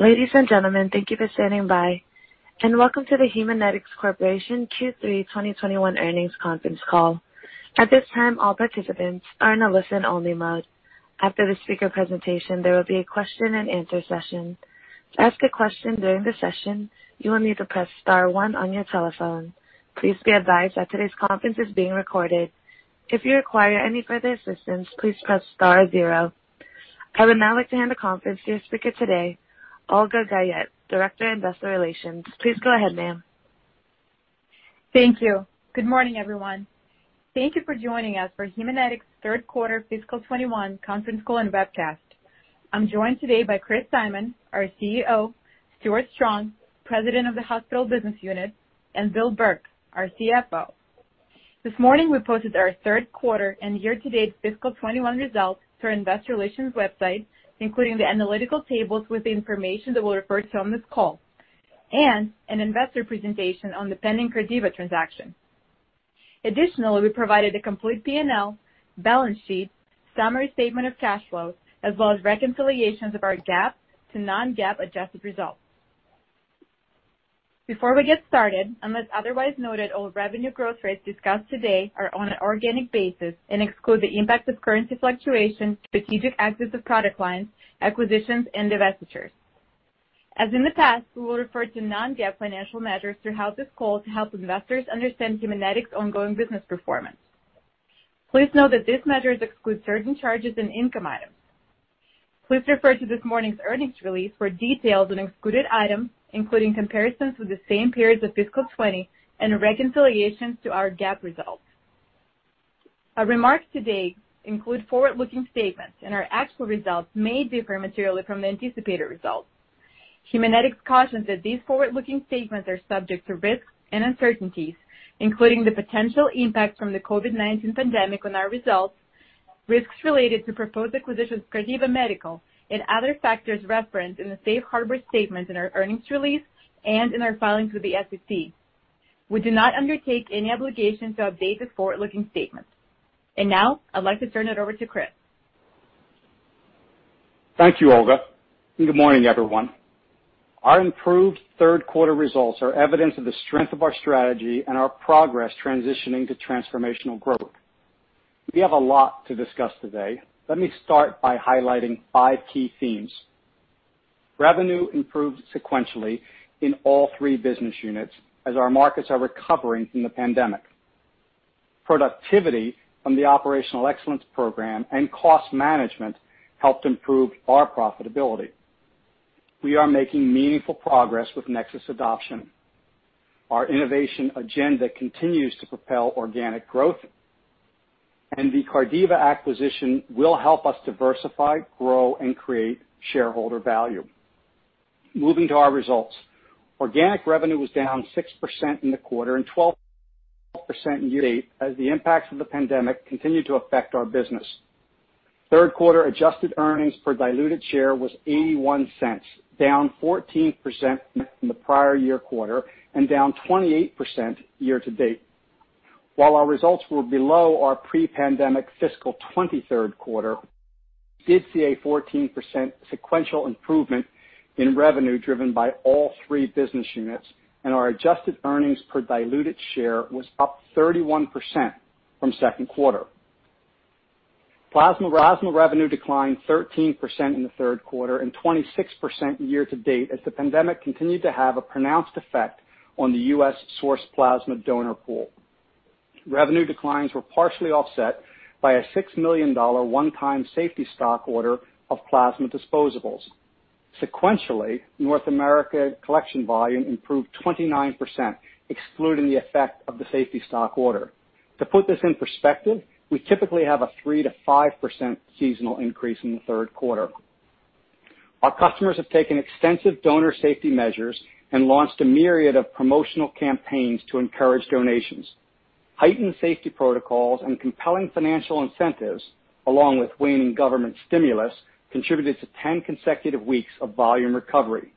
Ladies and gentlemen, thank you for standing by and welcome to the Haemonetics Corporation Q3 2021 Earnings Conference Call. At this time, all participants are in a listen-only mode. After the speaker presentation, there will be a question and answer session. To ask a question during the session, you will need to press star one on your telephone. Please standby, this conference is being recorded. If you require any further assistance, please press star zero. I would now like to hand the conference to your speaker today, Olga Guyette, Director of Investor Relations. Please go ahead, ma'am. Thank you. Good morning, everyone. Thank you for joining us for Haemonetics' third quarter fiscal 2021 conference call and webcast. I'm joined today by Chris Simon, our CEO, Stewart Strong, President of the Hospital Business Unit, and Bill Burke, our CFO. This morning, we posted our third quarter and year-to-date fiscal 2021 results to our investor relations website, including the analytical tables with the information that we'll refer to on this call, and an investor presentation on the pending Cardiva transaction. Additionally, we provided a complete P&L, balance sheet, summary statement of cash flow, as well as reconciliations of our GAAP to non-GAAP adjusted results. Before we get started, unless otherwise noted, all revenue growth rates discussed today are on an organic basis and exclude the impact of currency fluctuation, strategic exits of product lines, acquisitions, and divestitures. As in the past, we will refer to non-GAAP financial measures throughout this call to help investors understand Haemonetics' ongoing business performance. Please note that these measures exclude certain charges and income items. Please refer to this morning's earnings release for details on excluded items, including comparisons with the same periods of fiscal 2020 and reconciliations to our GAAP results. Our remarks today include forward-looking statements, our actual results may differ materially from the anticipated results. Haemonetics cautions that these forward-looking statements are subject to risks and uncertainties, including the potential impact from the COVID-19 pandemic on our results, risks related to proposed acquisitions of Cardiva Medical, and other factors referenced in the safe harbor statements in our earnings release and in our filings with the SEC. We do not undertake any obligation to update the forward-looking statements. Now, I'd like to turn it over to Chris. Thank you, Olga, and good morning, everyone. Our improved third quarter results are evidence of the strength of our strategy and our progress transitioning to transformational growth. We have a lot to discuss today. Let me start by highlighting five key themes. Revenue improved sequentially in all three business units as our markets are recovering from the pandemic. Productivity from the operational excellence program and cost management helped improve our profitability. We are making meaningful progress with NexSys adoption. Our innovation agenda continues to propel organic growth, and the Cardiva acquisition will help us diversify, grow, and create shareholder value. Moving to our results. Organic revenue was down 6% in the quarter and 12% year-to-date as the impacts of the pandemic continued to affect our business. Third quarter adjusted earnings per diluted share was $0.81, down 14% from the prior year quarter and down 28% year-to-date. While our results were below our pre-pandemic fiscal 2020 third quarter, we did see a 14% sequential improvement in revenue driven by all three business units, and our adjusted earnings per diluted share was up 31% from second quarter. Plasma revenue declined 13% in the third quarter and 26% year-to-date as the pandemic continued to have a pronounced effect on the U.S. source plasma donor pool. Revenue declines were partially offset by a $6 million one-time safety stock order of plasma disposables. Sequentially, North America collection volume improved 29%, excluding the effect of the safety stock order. To put this in perspective, we typically have a 3%-5% seasonal increase in the third quarter. Our customers have taken extensive donor safety measures and launched a myriad of promotional campaigns to encourage donations. Heightened safety protocols and compelling financial incentives, along with waning government stimulus, contributed to 10 consecutive weeks of volume recovery.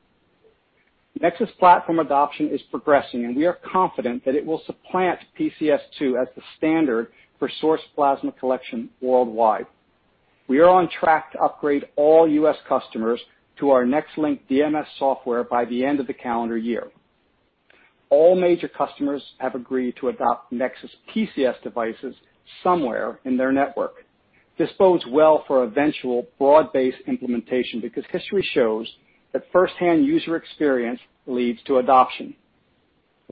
NexSys platform adoption is progressing, and we are confident that it will supplant PCS2 as the standard for source plasma collection worldwide. We are on track to upgrade all U.S. customers to our NexLynk DMS software by the end of the calendar year. All major customers have agreed to adopt NexSys PCS devices somewhere in their network. This bodes well for eventual broad-based implementation because history shows that first-hand user experience leads to adoption.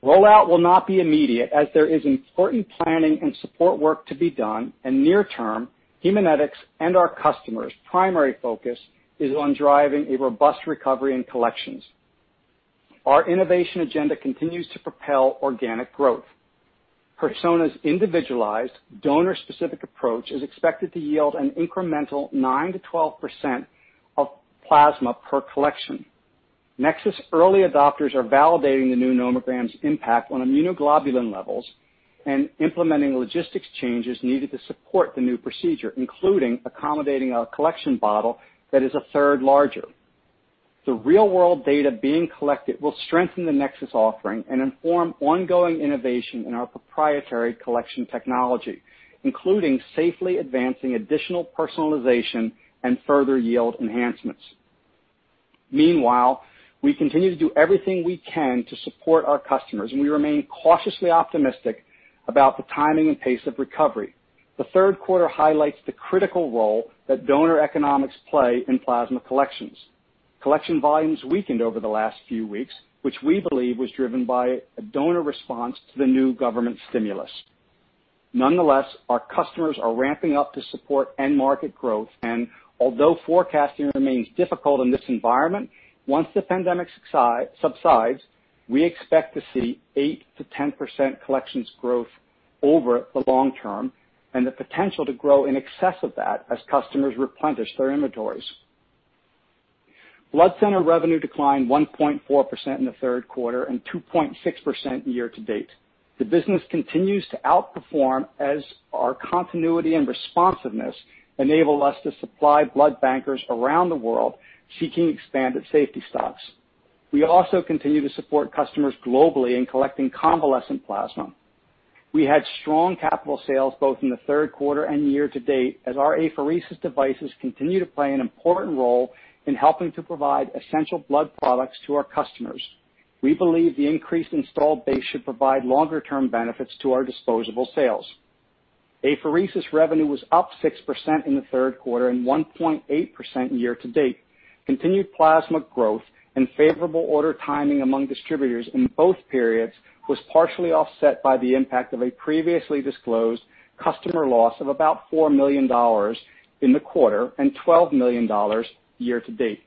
Rollout will not be immediate, as there is important planning and support work to be done, and near-term, Haemonetics and our customers' primary focus is on driving a robust recovery in collections. Our innovation agenda continues to propel organic growth. Persona's individualized donor-specific approach is expected to yield an incremental 9%-12% of plasma per collection. NexSys early adopters are validating the new nomogram's impact on immunoglobulin levels and implementing logistics changes needed to support the new procedure, including accommodating a collection bottle that is a third larger. The real-world data being collected will strengthen the NexSys offering and inform ongoing innovation in our proprietary collection technology, including safely advancing additional personalization and further yield enhancements. Meanwhile, we continue to do everything we can to support our customers, and we remain cautiously optimistic about the timing and pace of recovery. The third quarter highlights the critical role that donor economics play in plasma collections. Collection volumes weakened over the last few weeks, which we believe was driven by a donor response to the new government stimulus. Nonetheless, our customers are ramping up to support end market growth, and although forecasting remains difficult in this environment, once the pandemic subsides, we expect to see 8%-10% collections growth over the long term, and the potential to grow in excess of that as customers replenish their inventories. Blood center revenue declined 1.4% in the third quarter and 2.6% year-to-date. The business continues to outperform as our continuity and responsiveness enable us to supply blood bankers around the world seeking expanded safety stocks. We also continue to support customers globally in collecting convalescent plasma. We had strong capital sales both in the third quarter and year-to-date, as our apheresis devices continue to play an important role in helping to provide essential blood products to our customers. We believe the increased installed base should provide longer-term benefits to our disposable sales. Apheresis revenue was up 6% in the third quarter and 1.8% year-to-date. Continued plasma growth and favorable order timing among distributors in both periods was partially offset by the impact of a previously disclosed customer loss of about $4 million in the quarter and $12 million year-to-date.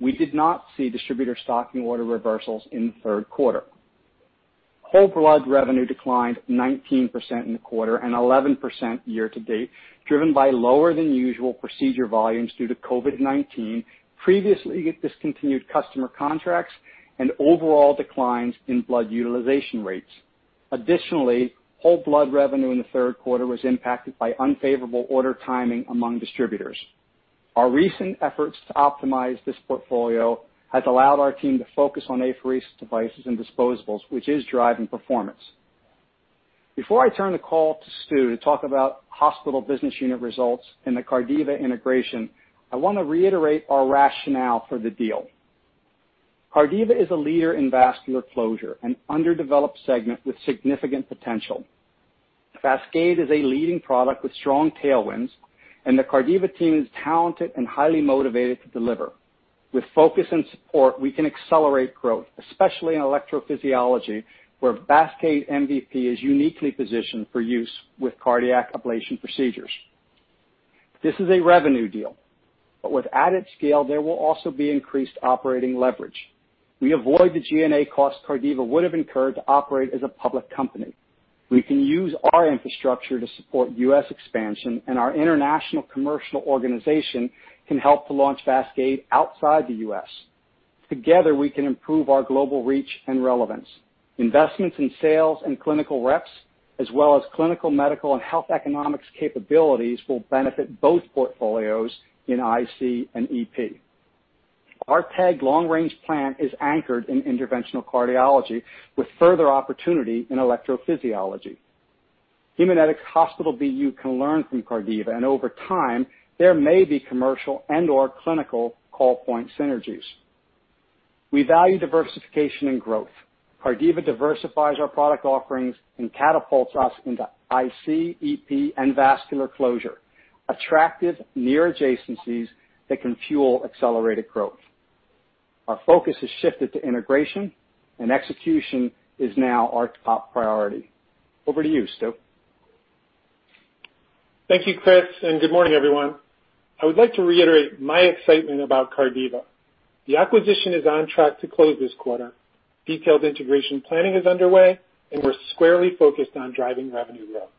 We did not see distributor stocking order reversals in the third quarter. Whole blood revenue declined 19% in the quarter and 11% year-to-date, driven by lower than usual procedure volumes due to COVID-19, previously discontinued customer contracts, and overall declines in blood utilization rates. Additionally, whole blood revenue in the third quarter was impacted by unfavorable order timing among distributors. Our recent efforts to optimize this portfolio has allowed our team to focus on apheresis devices and disposables, which is driving performance. Before I turn the call to Stu to talk about hospital business unit results and the Cardiva integration, I want to reiterate our rationale for the deal. Cardiva is a leader in vascular closure, an underdeveloped segment with significant potential. VASCADE is a leading product with strong tailwinds, and the Cardiva team is talented and highly motivated to deliver. With focus and support, we can accelerate growth, especially in electrophysiology, where VASCADE MVP is uniquely positioned for use with cardiac ablation procedures. This is a revenue deal, but with added scale, there will also be increased operating leverage. We avoid the G&A costs Cardiva would have incurred to operate as a public company. We can use our infrastructure to support U.S. expansion, and our international commercial organization can help to launch VASCADE outside the U.S. Together, we can improve our global reach and relevance. Investments in sales and clinical reps, as well as clinical, medical, and health economics capabilities, will benefit both portfolios in IC and EP. Our TEG long-range plan is anchored in interventional cardiology with further opportunity in electrophysiology. Haemonetics Hospital BU can learn from Cardiva, and over time, there may be commercial and/or clinical call point synergies. Cardiva diversifies our product offerings and catapults us into IC, EP, and vascular closure, attractive near adjacencies that can fuel accelerated growth. Our focus has shifted to integration, and execution is now our top priority. Over to you, Stu. Thank you, Chris, and good morning, everyone. I would like to reiterate my excitement about Cardiva. The acquisition is on track to close this quarter. Detailed integration planning is underway, and we're squarely focused on driving revenue growth.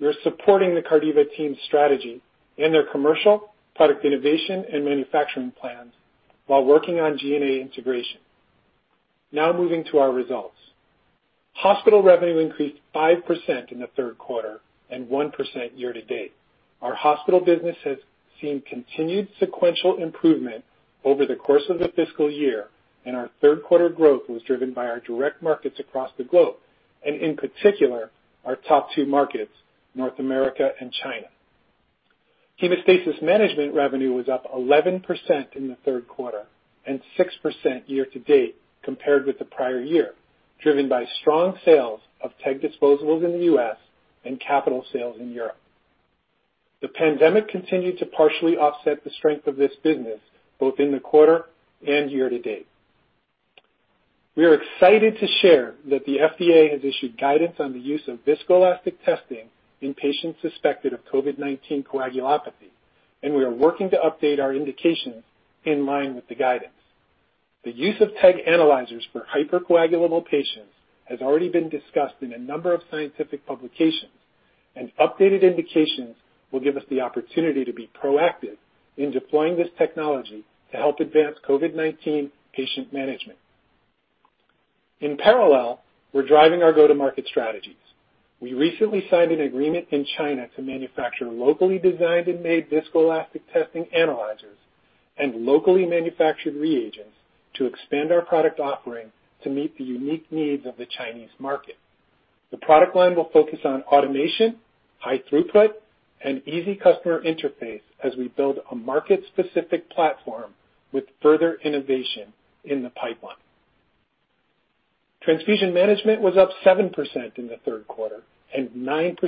We are supporting the Cardiva team's strategy and their commercial, product innovation, and manufacturing plans while working on G&A integration. Now moving to our results. Hospital revenue increased 5% in the third quarter and 1% year-to-date. Our hospital business has seen continued sequential improvement over the course of the fiscal year, and our third quarter growth was driven by our direct markets across the globe, and in particular, our top two markets, North America and China. Hemostasis management revenue was up 11% in the third quarter and 6% year-to-date compared with the prior year, driven by strong sales of TEG disposables in the U.S. and capital sales in Europe. The pandemic continued to partially offset the strength of this business, both in the quarter and year-to-date. We are excited to share that the FDA has issued guidance on the use of viscoelastic testing in patients suspected of COVID-19 coagulopathy, and we are working to update our indications in line with the guidance. The use of TEG analyzers for hypercoagulable patients has already been discussed in a number of scientific publications, and updated indications will give us the opportunity to be proactive in deploying this technology to help advance COVID-19 patient management. In parallel, we're driving our go-to-market strategies. We recently signed an agreement in China to manufacture locally designed and made viscoelastic testing analyzers and locally manufactured reagents to expand our product offering to meet the unique needs of the Chinese market. The product line will focus on automation, high throughput, and easy customer interface as we build a market-specific platform with further innovation in the pipeline. Transfusion management was up 7% in the third quarter and 9%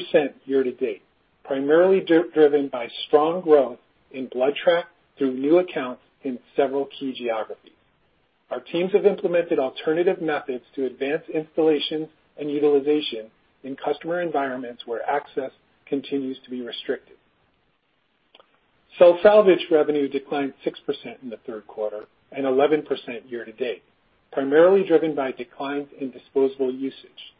year-to-date, primarily driven by strong growth in BloodTrack through new accounts in several key geographies. Our teams have implemented alternative methods to advance installations and utilization in customer environments where access continues to be restricted. Cell salvage revenue declined 6% in the third quarter and 11% year-to-date, primarily driven by declines in disposable usage.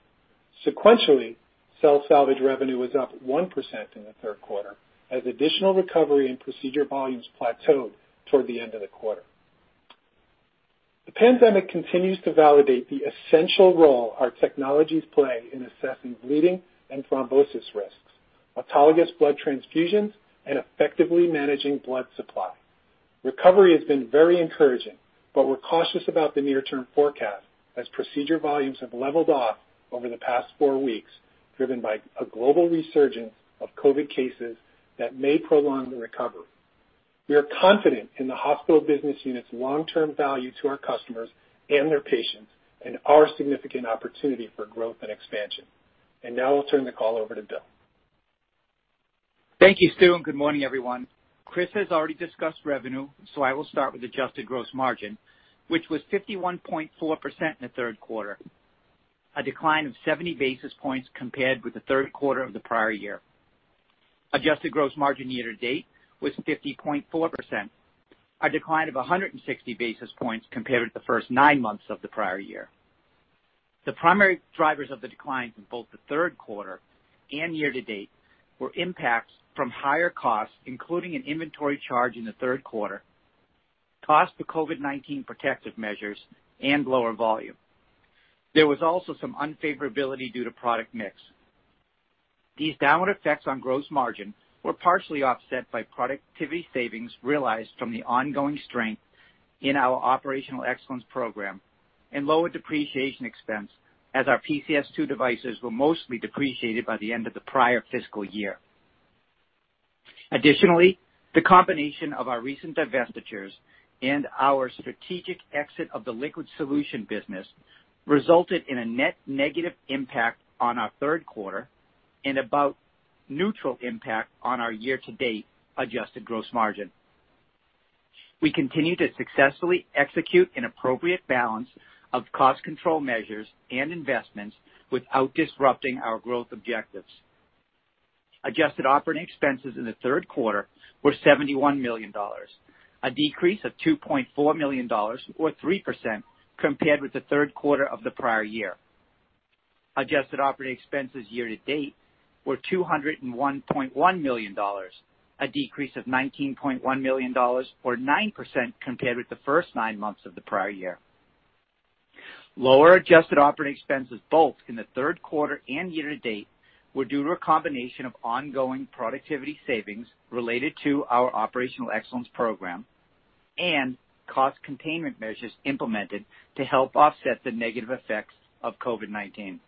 Sequentially, cell salvage revenue was up 1% in the third quarter as additional recovery and procedure volumes plateaued toward the end of the quarter. The pandemic continues to validate the essential role our technologies play in assessing bleeding and thrombosis risks, autologous blood transfusions, and effectively managing blood supply. Recovery has been very encouraging, but we're cautious about the near-term forecast as procedure volumes have leveled off over the past four weeks, driven by a global resurgence of COVID-19 cases that may prolong the recovery. We are confident in the hospital business unit's long-term value to our customers and their patients and our significant opportunity for growth and expansion. Now I'll turn the call over to Bill. Thank you, Stu, and good morning, everyone. Chris has already discussed revenue, so I will start with adjusted gross margin, which was 51.4% in the third quarter, a decline of 70 basis points compared with the third quarter of the prior year. Adjusted gross margin year-to-date was 50.4%, a decline of 160 basis points compared with the first nine months of the prior year. The primary drivers of the declines in both the third quarter and year-to-date were impacts from higher costs, including an inventory charge in the third quarter, costs for COVID-19 protective measures, and lower volume. There was also some unfavorability due to product mix. These downward effects on gross margin were partially offset by productivity savings realized from the ongoing strength in our Operational Excellence Program and lower depreciation expense as our PCS2 devices were mostly depreciated by the end of the prior fiscal year. Additionally, the combination of our recent divestitures and our strategic exit of the liquid solution business resulted in a net negative impact on our third quarter and about neutral impact on our year-to-date adjusted gross margin. We continue to successfully execute an appropriate balance of cost control measures and investments without disrupting our growth objectives. Adjusted operating expenses in the third quarter were $71 million, a decrease of $2.4 million or 3% compared with the third quarter of the prior year. Adjusted operating expenses year-to-date were $201.1 million, a decrease of $19.1 million or 9% compared with the first nine months of the prior year. Lower adjusted operating expenses, both in the third quarter and year-to-date, were due to a combination of ongoing productivity savings related to our operational excellence program and cost containment measures implemented to help offset the negative effects of COVID-19.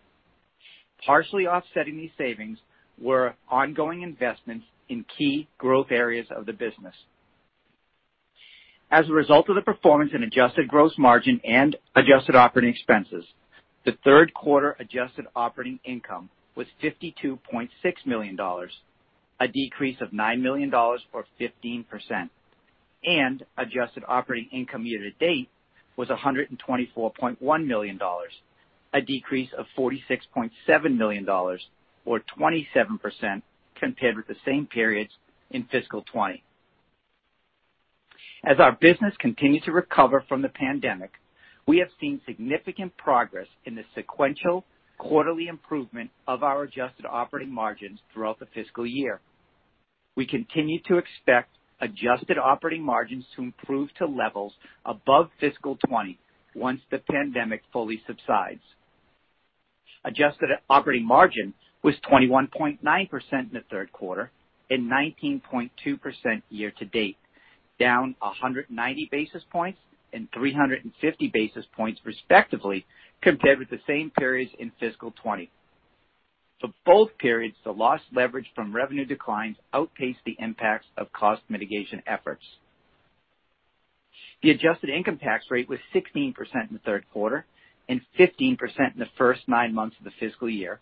Partially offsetting these savings were ongoing investments in key growth areas of the business. As a result of the performance in adjusted gross margin and adjusted operating expenses, the third quarter adjusted operating income was $52.6 million, a decrease of $9 million or 15%, and adjusted operating income year-to-date was $124.1 million, a decrease of $46.7 million or 27% compared with the same periods in fiscal 2020. As our business continues to recover from the pandemic, we have seen significant progress in the sequential quarterly improvement of our adjusted operating margins throughout the fiscal year. We continue to expect adjusted operating margins to improve to levels above fiscal 2020 once the pandemic fully subsides. Adjusted operating margin was 21.9% in the third quarter and 19.2% year-to-date, down 190 basis points and 350 basis points respectively compared with the same periods in fiscal 2020. For both periods, the lost leverage from revenue declines outpaced the impacts of cost mitigation efforts. The adjusted income tax rate was 16% in the third quarter and 15% in the first nine months of the fiscal year,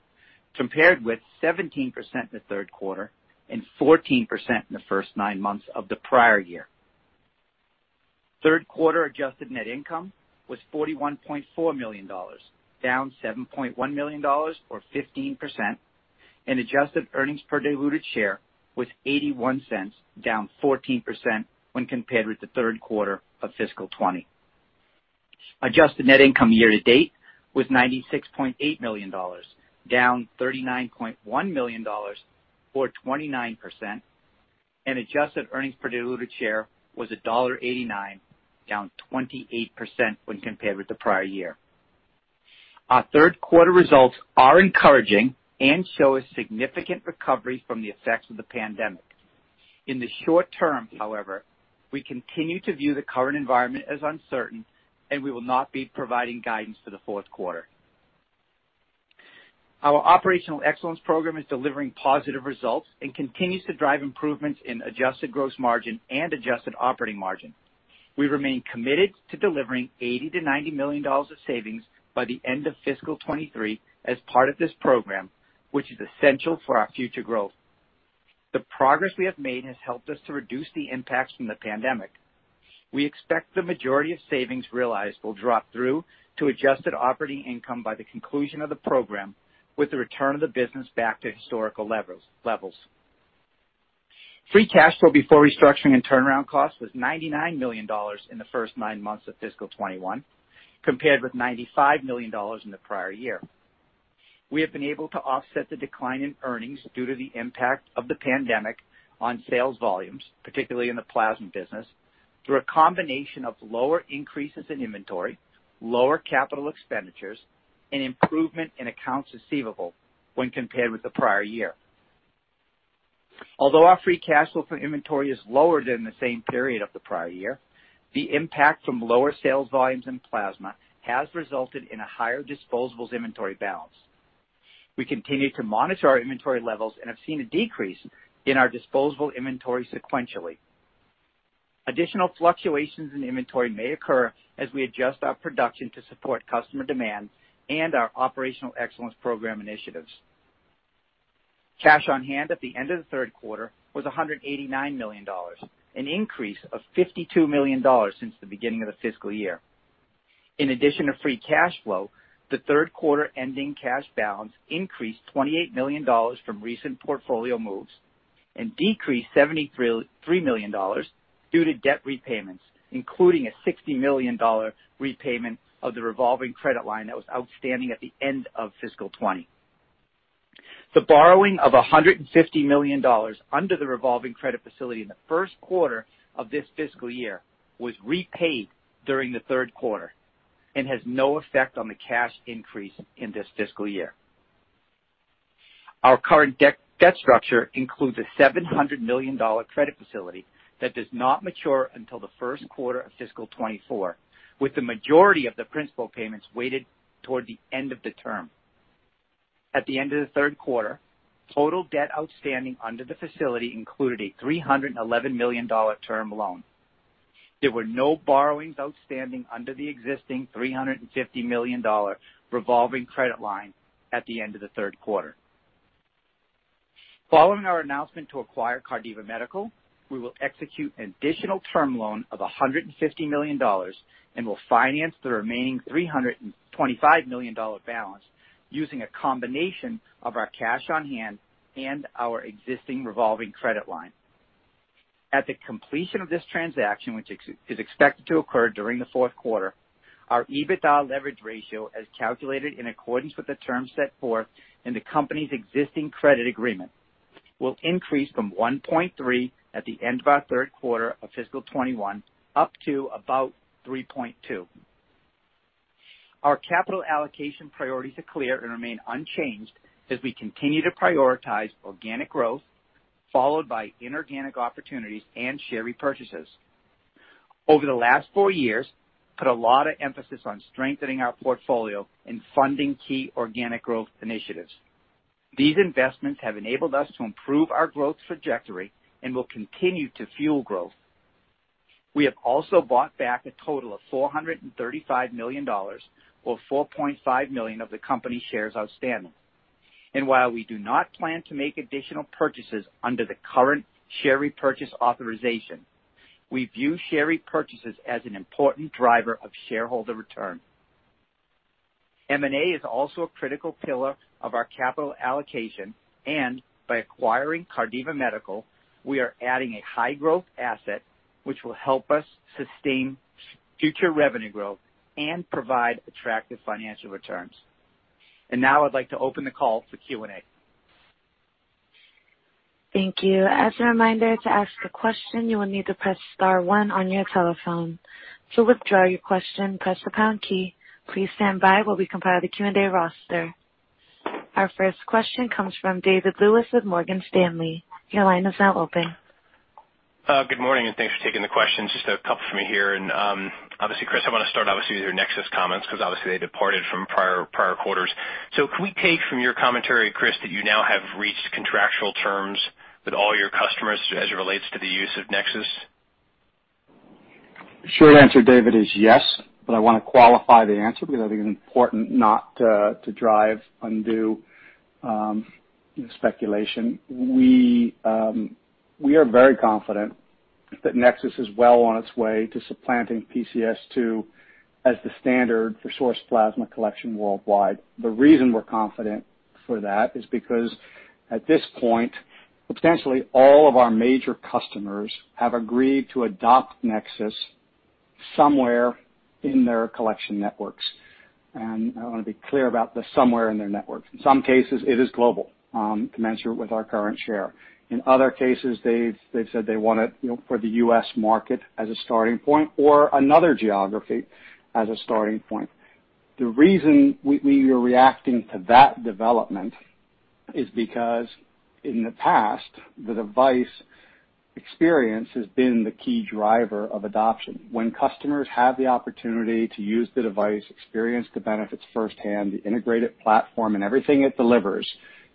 compared with 17% in the third quarter and 14% in the first nine months of the prior year. Third quarter adjusted net income was $41.4 million, down $7.1 million or 15%, and adjusted earnings per diluted share was $0.81, down 14% when compared with the third quarter of FY 2020. Adjusted net income year-to-date was $96.8 million, down $39.1 million or 29%, and adjusted earnings per diluted share was $1.89, down 28% when compared with the prior year. Our third quarter results are encouraging and show a significant recovery from the effects of the pandemic. In the short term, however, we continue to view the current environment as uncertain, we will not be providing guidance for the fourth quarter. Our Operational Excellence Program is delivering positive results and continues to drive improvements in adjusted gross margin and adjusted operating margin. We remain committed to delivering $80 million-$90 million of savings by the end of FY 2023 as part of this program, which is essential for our future growth. The progress we have made has helped us to reduce the impacts from the pandemic. We expect the majority of savings realized will drop through to adjusted operating income by the conclusion of the program, with the return of the business back to historical levels. Free cash flow before restructuring and turnaround costs was $99 million in the first nine months of fiscal 2021, compared with $95 million in the prior year. We have been able to offset the decline in earnings due to the impact of the pandemic on sales volumes, particularly in the plasma business, through a combination of lower increases in inventory, lower capital expenditures, and improvement in accounts receivable when compared with the prior year. Although our free cash flow from inventory is lower than the same period of the prior year, the impact from lower sales volumes in plasma has resulted in a higher disposables inventory balance. We continue to monitor our inventory levels and have seen a decrease in our disposable inventory sequentially. Additional fluctuations in inventory may occur as we adjust our production to support customer demand and our operational excellence program initiatives. Cash on hand at the end of the third quarter was $189 million, an increase of $52 million since the beginning of the fiscal year. In addition to free cash flow, the third quarter ending cash balance increased $28 million from recent portfolio moves and decreased $73 million due to debt repayments, including a $60 million repayment of the revolving credit line that was outstanding at the end of FY 2020. The borrowing of $150 million under the revolving credit facility in the first quarter of this fiscal year was repaid during the third quarter and has no effect on the cash increase in this fiscal year. Our current debt structure includes a $700 million credit facility that does not mature until the first quarter of FY 2024, with the majority of the principal payments weighted toward the end of the term. At the end of the third quarter, total debt outstanding under the facility included a $311 million term loan. There were no borrowings outstanding under the existing $350 million revolving credit line at the end of the third quarter. Following our announcement to acquire Cardiva Medical, we will execute an additional term loan of $150 million and will finance the remaining $325 million balance using a combination of our cash on hand and our existing revolving credit line. At the completion of this transaction, which is expected to occur during the fourth quarter, our EBITDA leverage ratio, as calculated in accordance with the terms set forth in the company's existing credit agreement, will increase from 1.3x at the end of our third quarter of fiscal 2021 up to about 3.2x. Our capital allocation priorities are clear and remain unchanged as we continue to prioritize organic growth, followed by inorganic opportunities and share repurchases. Over the last four years, we put a lot of emphasis on strengthening our portfolio and funding key organic growth initiatives. These investments have enabled us to improve our growth trajectory and will continue to fuel growth. We have also bought back a total of $435 million, or 4.5 million of the company shares outstanding. While we do not plan to make additional purchases under the current share repurchase authorization, we view share repurchases as an important driver of shareholder return. M&A is also a critical pillar of our capital allocation, and by acquiring Cardiva Medical, we are adding a high-growth asset, which will help us sustain future revenue growth and provide attractive financial returns. Now I'd like to open the call for Q&A. Thank you. Our first question comes from David Lewis with Morgan Stanley. Good morning, and thanks for taking the questions. Just a couple from me here. Obviously, Chris, I want to start, obviously, with your NexSys comments, because obviously they departed from prior quarters. Can we take from your commentary, Chris, that you now have reached contractual terms with all your customers as it relates to the use of NexSys? The short answer, David, is yes. I want to qualify the answer because I think it's important not to drive undue speculation. We are very confident that NexSys is well on its way to supplanting PCS2 as the standard for source plasma collection worldwide. The reason we're confident for that is because at this point, substantially all of our major customers have agreed to adopt NexSys somewhere in their collection networks. I want to be clear about the somewhere in their networks. In some cases, it is global, commensurate with our current share. In other cases, they've said they want it for the U.S. market as a starting point or another geography as a starting point. The reason we are reacting to that development is because in the past, the device experience has been the key driver of adoption. When customers have the opportunity to use the device, experience the benefits firsthand, the integrated platform and everything it delivers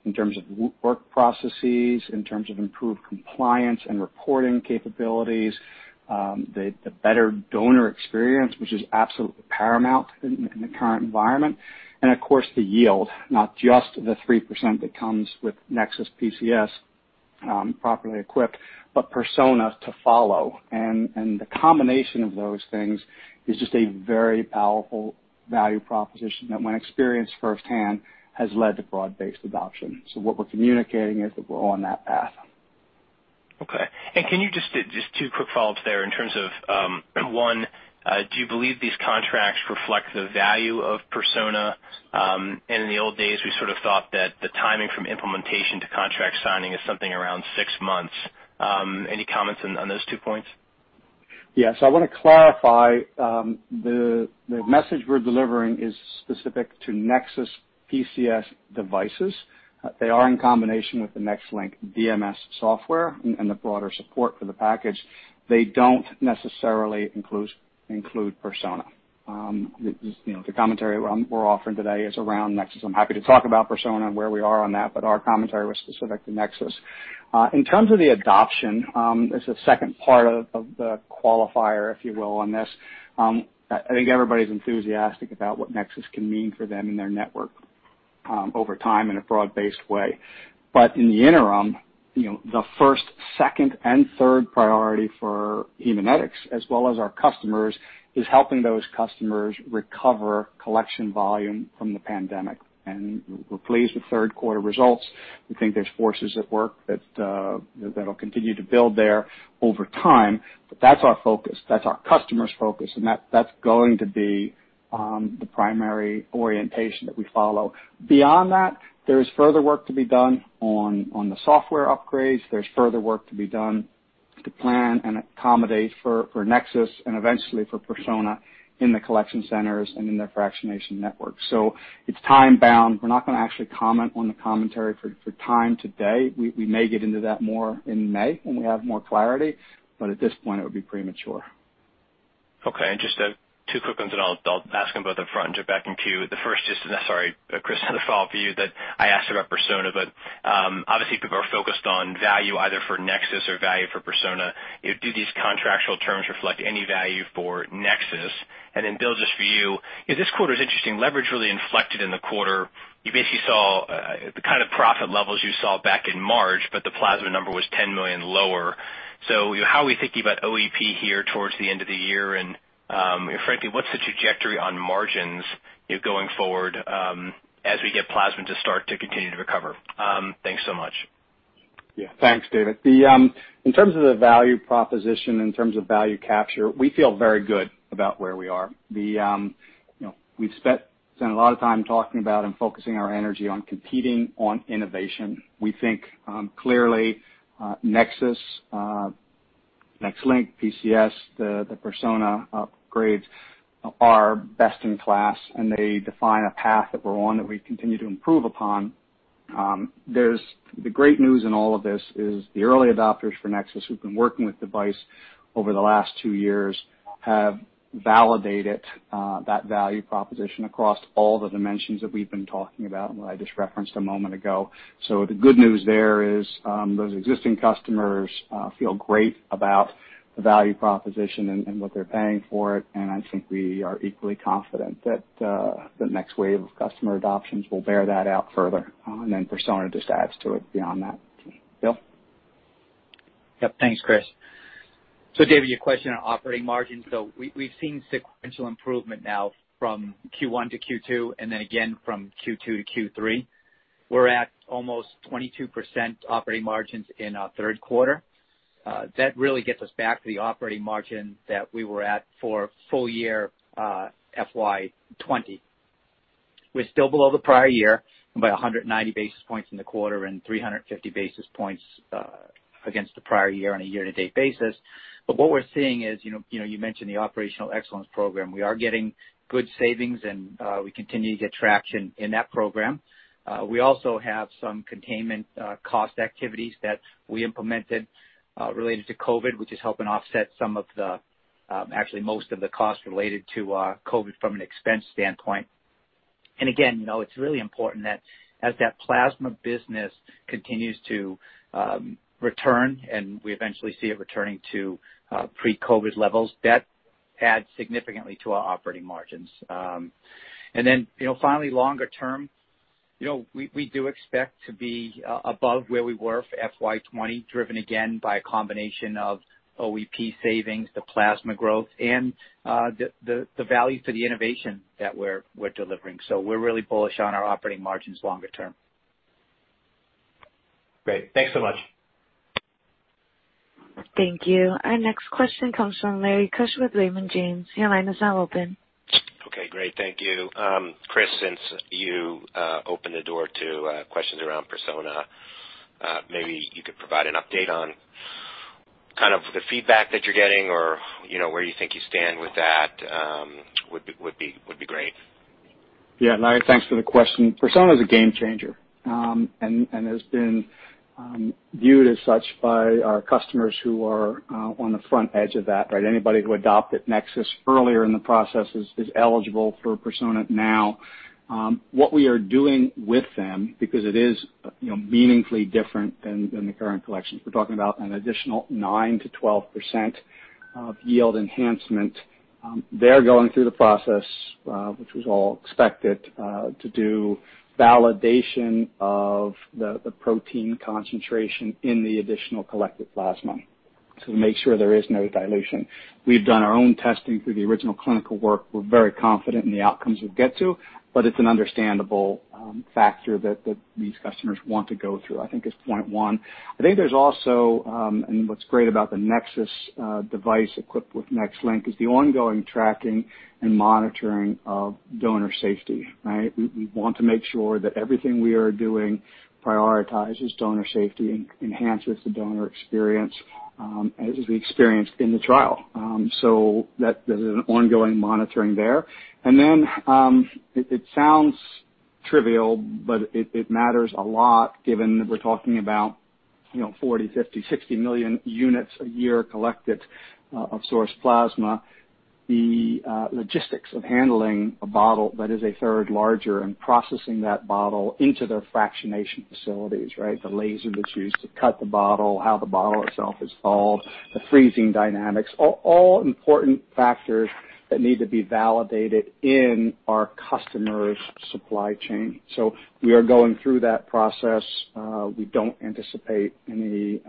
in terms of work processes, in terms of improved compliance and reporting capabilities, the better donor experience, which is absolutely paramount in the current environment, and of course, the yield, not just the 3% that comes with NexSys PCS properly equipped, but Persona to follow. The combination of those things is just a very powerful value proposition that when experienced firsthand, has led to broad-based adoption. What we're communicating is that we're on that path. Okay. Can you just, two quick follow-ups there in terms of, one, do you believe these contracts reflect the value of Persona? In the old days, we sort of thought that the timing from implementation to contract signing is something around six months. Any comments on those two points? I want to clarify, the message we're delivering is specific to NexSys PCS devices. They are in combination with the NexLynk DMS software and the broader support for the package. They don't necessarily include Persona. The commentary we're offering today is around NexSys. I'm happy to talk about Persona and where we are on that, our commentary was specific to NexSys. In terms of the adoption, as a second part of the qualifier, if you will, on this, I think everybody's enthusiastic about what NexSys can mean for them and their network over time in a broad-based way. In the interim, the first, second and third priority for Haemonetics, as well as our customers, is helping those customers recover collection volume from the pandemic. We're pleased with third quarter results. We think there's forces at work that'll continue to build there over time. That's our focus, that's our customers' focus, and that's going to be the primary orientation that we follow. Beyond that, there is further work to be done on the software upgrades. There's further work to be done to plan and accommodate for NexSys and eventually for Persona in the collection centers and in their fractionation network. It's time-bound. We're not going to actually comment on the commentary for time today. We may get into that more in May when we have more clarity, but at this point, it would be premature. Okay, just two quick ones and I'll ask them both up front and jump back in queue. The first, sorry, Chris, this is a follow-up for you that I asked about Persona, obviously people are focused on value either for NexSys or value for Persona. Do these contractual terms reflect any value for NexSys? Bill, just for you, this quarter is interesting. Leverage really inflected in the quarter. You basically saw the kind of profit levels you saw back in March, the plasma number was $10 million lower. How are we thinking about OEP here towards the end of the year, and frankly, what's the trajectory on margins going forward as we get plasma to start to continue to recover? Thanks so much. Thanks, David. In terms of the value proposition, in terms of value capture, we feel very good about where we are. We've spent a lot of time talking about and focusing our energy on competing on innovation. We think clearly, NexSys, NexLynk, PCS, the Persona upgrades are best in class, and they define a path that we're on that we continue to improve upon. The great news in all of this is the early adopters for NexSys who've been working with the device over the last two years have validated that value proposition across all the dimensions that we've been talking about and what I just referenced a moment ago. The good news there is those existing customers feel great about the value proposition and what they're paying for it, and I think we are equally confident that the next wave of customer adoptions will bear that out further. Persona just adds to it beyond that. Bill? Yep. Thanks, Chris. David, your question on operating margins. We've seen sequential improvement now from Q1 to Q2, and then again from Q2 to Q3. We're at almost 22% operating margins in our third quarter. That really gets us back to the operating margin that we were at for full year FY 2020. We're still below the prior year and by 190 basis points in the quarter and 350 basis points against the prior year on a year-to-date basis. What we're seeing is, you mentioned the operational excellence program. We are getting good savings, and we continue to get traction in that program. We also have some containment cost activities that we implemented related to COVID, which is helping offset actually, most of the costs related to COVID from an expense standpoint. Again, it's really important that as that plasma business continues to return and we eventually see it returning to pre-COVID levels, that adds significantly to our operating margins. Finally, longer term, we do expect to be above where we were for FY 2020, driven again by a combination of OEP savings, the plasma growth, and the value for the innovation that we're delivering. We're really bullish on our operating margins longer term. Great. Thanks so much. Thank you. Our next question comes from Larry Keusch with Raymond James. Your line is now open. Okay, great. Thank you. Chris, since you opened the door to questions around Persona, maybe you could provide an update on kind of the feedback that you're getting or where you think you stand with that would be great. Thanks for the question. Persona is a game changer, and has been viewed as such by our customers who are on the front edge of that. Anybody who adopted NexSys earlier in the process is eligible for Persona now. What we are doing with them, because it is meaningfully different than the current collections, we're talking about an additional 9%-12% of yield enhancement. They're going through the process, which was all expected, to do validation of the protein concentration in the additional collected plasma to make sure there is no dilution. We've done our own testing through the original clinical work. We're very confident in the outcomes we'll get to, but it's an understandable factor that these customers want to go through, I think is point one. I think there's also, and what's great about the NexSys equipped with NexLynk, is the ongoing tracking and monitoring of donor safety. We want to make sure that everything we are doing prioritizes donor safety, enhances the donor experience, as is the experience in the trial. There's an ongoing monitoring there. Then, it sounds trivial, but it matters a lot given that we're talking about 40, 50, 60 million units a year collected of source plasma. The logistics of handling a bottle that is a third larger and processing that bottle into their fractionation facilities. The laser that's used to cut the bottle, how the bottle itself is hauled, the freezing dynamics, are all important factors that need to be validated in our customers' supply chain. We are going through that process. We don't anticipate any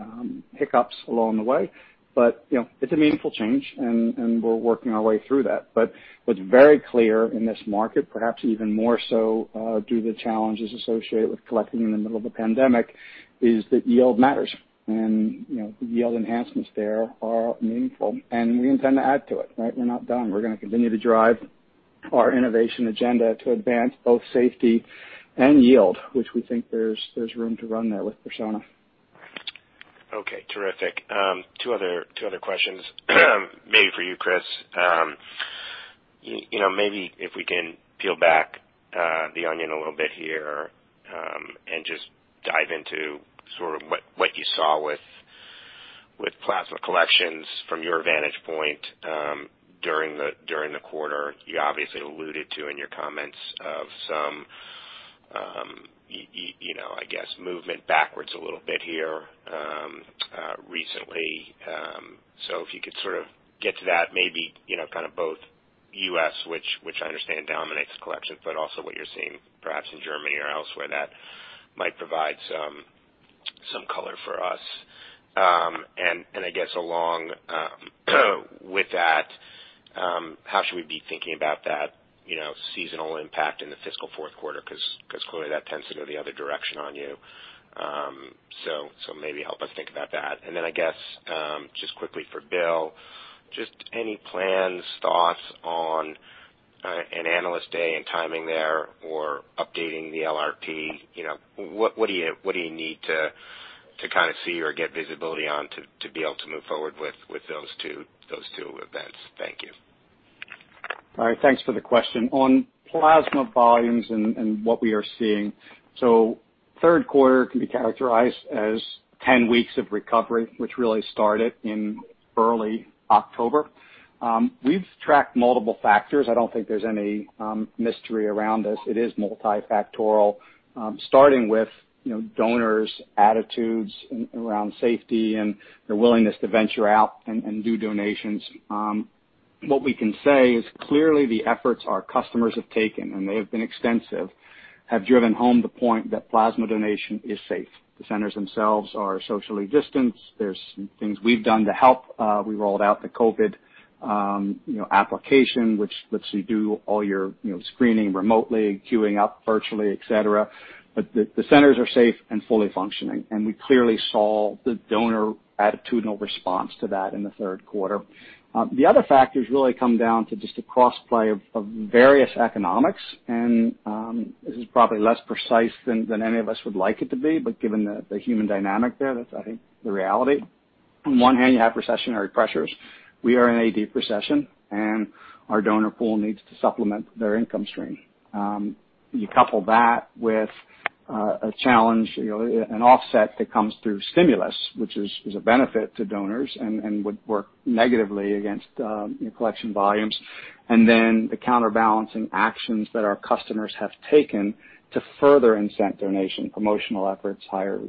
hiccups along the way, but it's a meaningful change, and we're working our way through that. What's very clear in this market, perhaps even more so due to the challenges associated with collecting in the middle of a pandemic, is that yield matters. The yield enhancements there are meaningful, and we intend to add to it. We're not done. We're going to continue to drive our innovation agenda to advance both safety and yield, which we think there's room to run there with Persona. Okay, terrific. Two other questions, maybe for you, Chris. If we can peel back the onion a little bit here, and just dive into sort of what you saw with plasma collections from your vantage point during the quarter. You obviously alluded to in your comments of some, I guess, movement backwards a little bit here recently. If you could sort of get to that, maybe, kind of both U.S., which I understand dominates collections, but also what you're seeing perhaps in Germany or elsewhere that might provide some color for us. I guess along with that, how should we be thinking about that seasonal impact in the fiscal fourth quarter? Clearly that tends to go the other direction on you. Maybe help us think about that. I guess, just quickly for Bill, just any plans, thoughts on an Analyst Day and timing there or updating the LRP? What do you need to kind of see or get visibility on to be able to move forward with those two events? Thank you. All right. Thanks for the question. On plasma volumes and what we are seeing. Third quarter can be characterized as 10 weeks of recovery, which really started in early October. We've tracked multiple factors. I don't think there's any mystery around this. It is multifactorial, starting with donors' attitudes around safety and their willingness to venture out and do donations. What we can say is clearly the efforts our customers have taken, and they have been extensive, have driven home the point that plasma donation is safe. The centers themselves are socially distanced. There's some things we've done to help. We rolled out the COVID application, which lets you do all your screening remotely, queuing up virtually, et cetera. The centers are safe and fully functioning, and we clearly saw the donor attitudinal response to that in the third quarter. The other factors really come down to just a cross-play of various economics, and this is probably less precise than any of us would like it to be, but given the human dynamic there, that's, I think, the reality. On one hand, you have recessionary pressures. We are in a deep recession, and our donor pool needs to supplement their income stream. You couple that with a challenge, an offset that comes through stimulus, which is a benefit to donors and would work negatively against your collection volumes. Then the counterbalancing actions that our customers have taken to further incent donation, promotional efforts, higher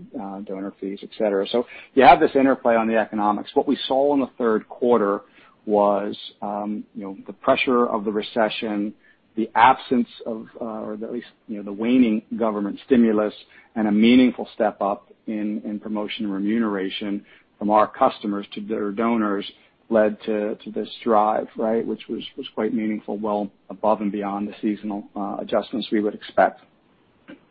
donor fees, et cetera. You have this interplay on the economics. What we saw in the third quarter was the pressure of the recession, the absence of, or at least the waning government stimulus and a meaningful step up in promotion remuneration from our customers to their donors led to this drive, which was quite meaningful, well above and beyond the seasonal adjustments we would expect.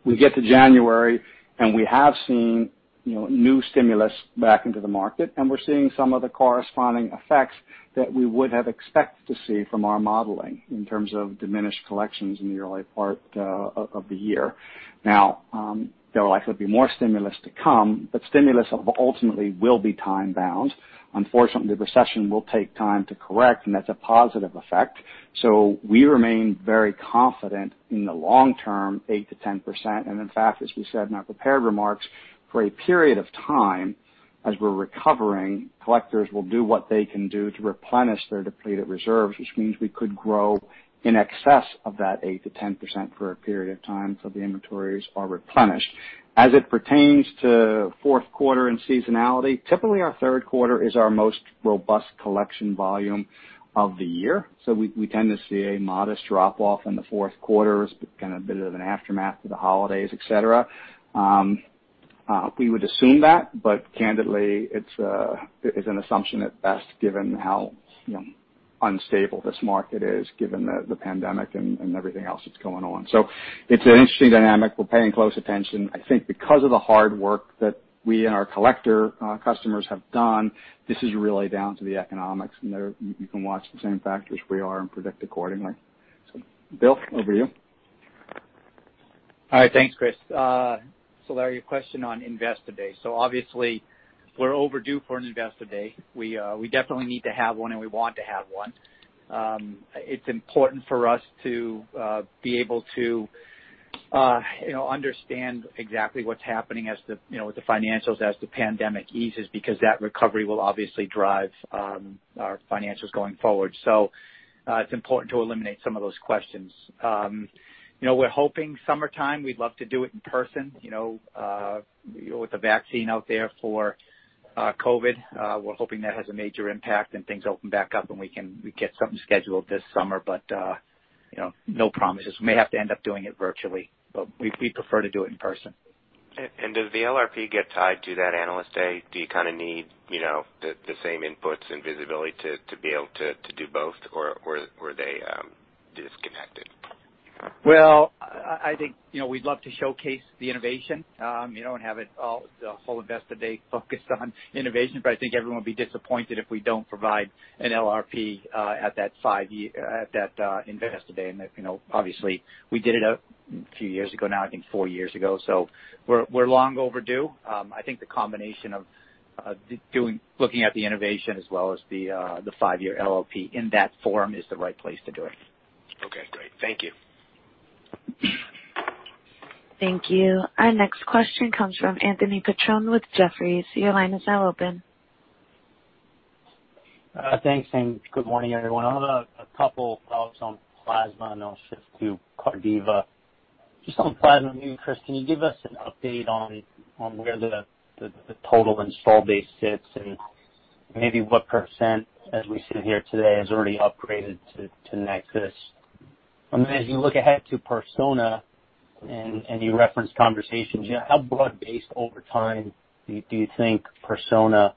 We get to January and we have seen new stimulus back into the market, and we're seeing some of the corresponding effects that we would have expected to see from our modeling in terms of diminished collections in the early part of the year. Now, there will likely be more stimulus to come, but stimulus ultimately will be time-bound. Unfortunately, the recession will take time to correct, and that's a positive effect. We remain very confident in the long term, 8%-10%. In fact, as we said in our prepared remarks, for a period of time, as we're recovering, collectors will do what they can do to replenish their depleted reserves, which means we could grow in excess of that 8%-10% for a period of time till the inventories are replenished. As it pertains to fourth quarter and seasonality, typically, our third quarter is our most robust collection volume of the year. We tend to see a modest drop-off in the fourth quarter as kind of a bit of an aftermath to the holidays, et cetera. We would assume that, but candidly, it's an assumption at best, given how unstable this market is, given the pandemic and everything else that's going on. It's an interesting dynamic. We're paying close attention. I think because of the hard work that we and our collector customers have done, this is really down to the economics. You can watch the same factors we are and predict accordingly. Bill, over to you. All right. Thanks, Chris. Larry, a question on Investor Day. Obviously we're overdue for an Investor Day. We definitely need to have one, and we want to have one. It's important for us to be able to understand exactly what's happening with the financials as the pandemic eases, because that recovery will obviously drive our financials going forward. It's important to eliminate some of those questions. We're hoping summertime. We'd love to do it in person. With the vaccine out there for COVID, we're hoping that has a major impact and things open back up and we get something scheduled this summer. No promises. We may have to end up doing it virtually, but we'd prefer to do it in person. Does the LRP get tied to that Analyst Day? Do you kind of need the same inputs and visibility to be able to do both, or are they disconnected? Well, I think we'd love to showcase the innovation and have the whole Investor Day focused on innovation. I think everyone would be disappointed if we don't provide an LRP at that Investor Day. Obviously we did it a few years ago now, I think four years ago. We're long overdue. I think the combination of looking at the innovation as well as the five-year LRP in that forum is the right place to do it. Okay, great. Thank you. Thank you. Our next question comes from Anthony Petrone with Jefferies. Your line is now open. Thanks, and good morning, everyone. I have a couple follow-ups on Plasma then I'll shift to Cardiva. Just on Plasma, maybe Chris, can you give us an update on where the total install base sits and maybe what percent as we sit here today has already upgraded to NexSys? Then as you look ahead to Persona and you referenced conversations, how broad-based over time do you think Persona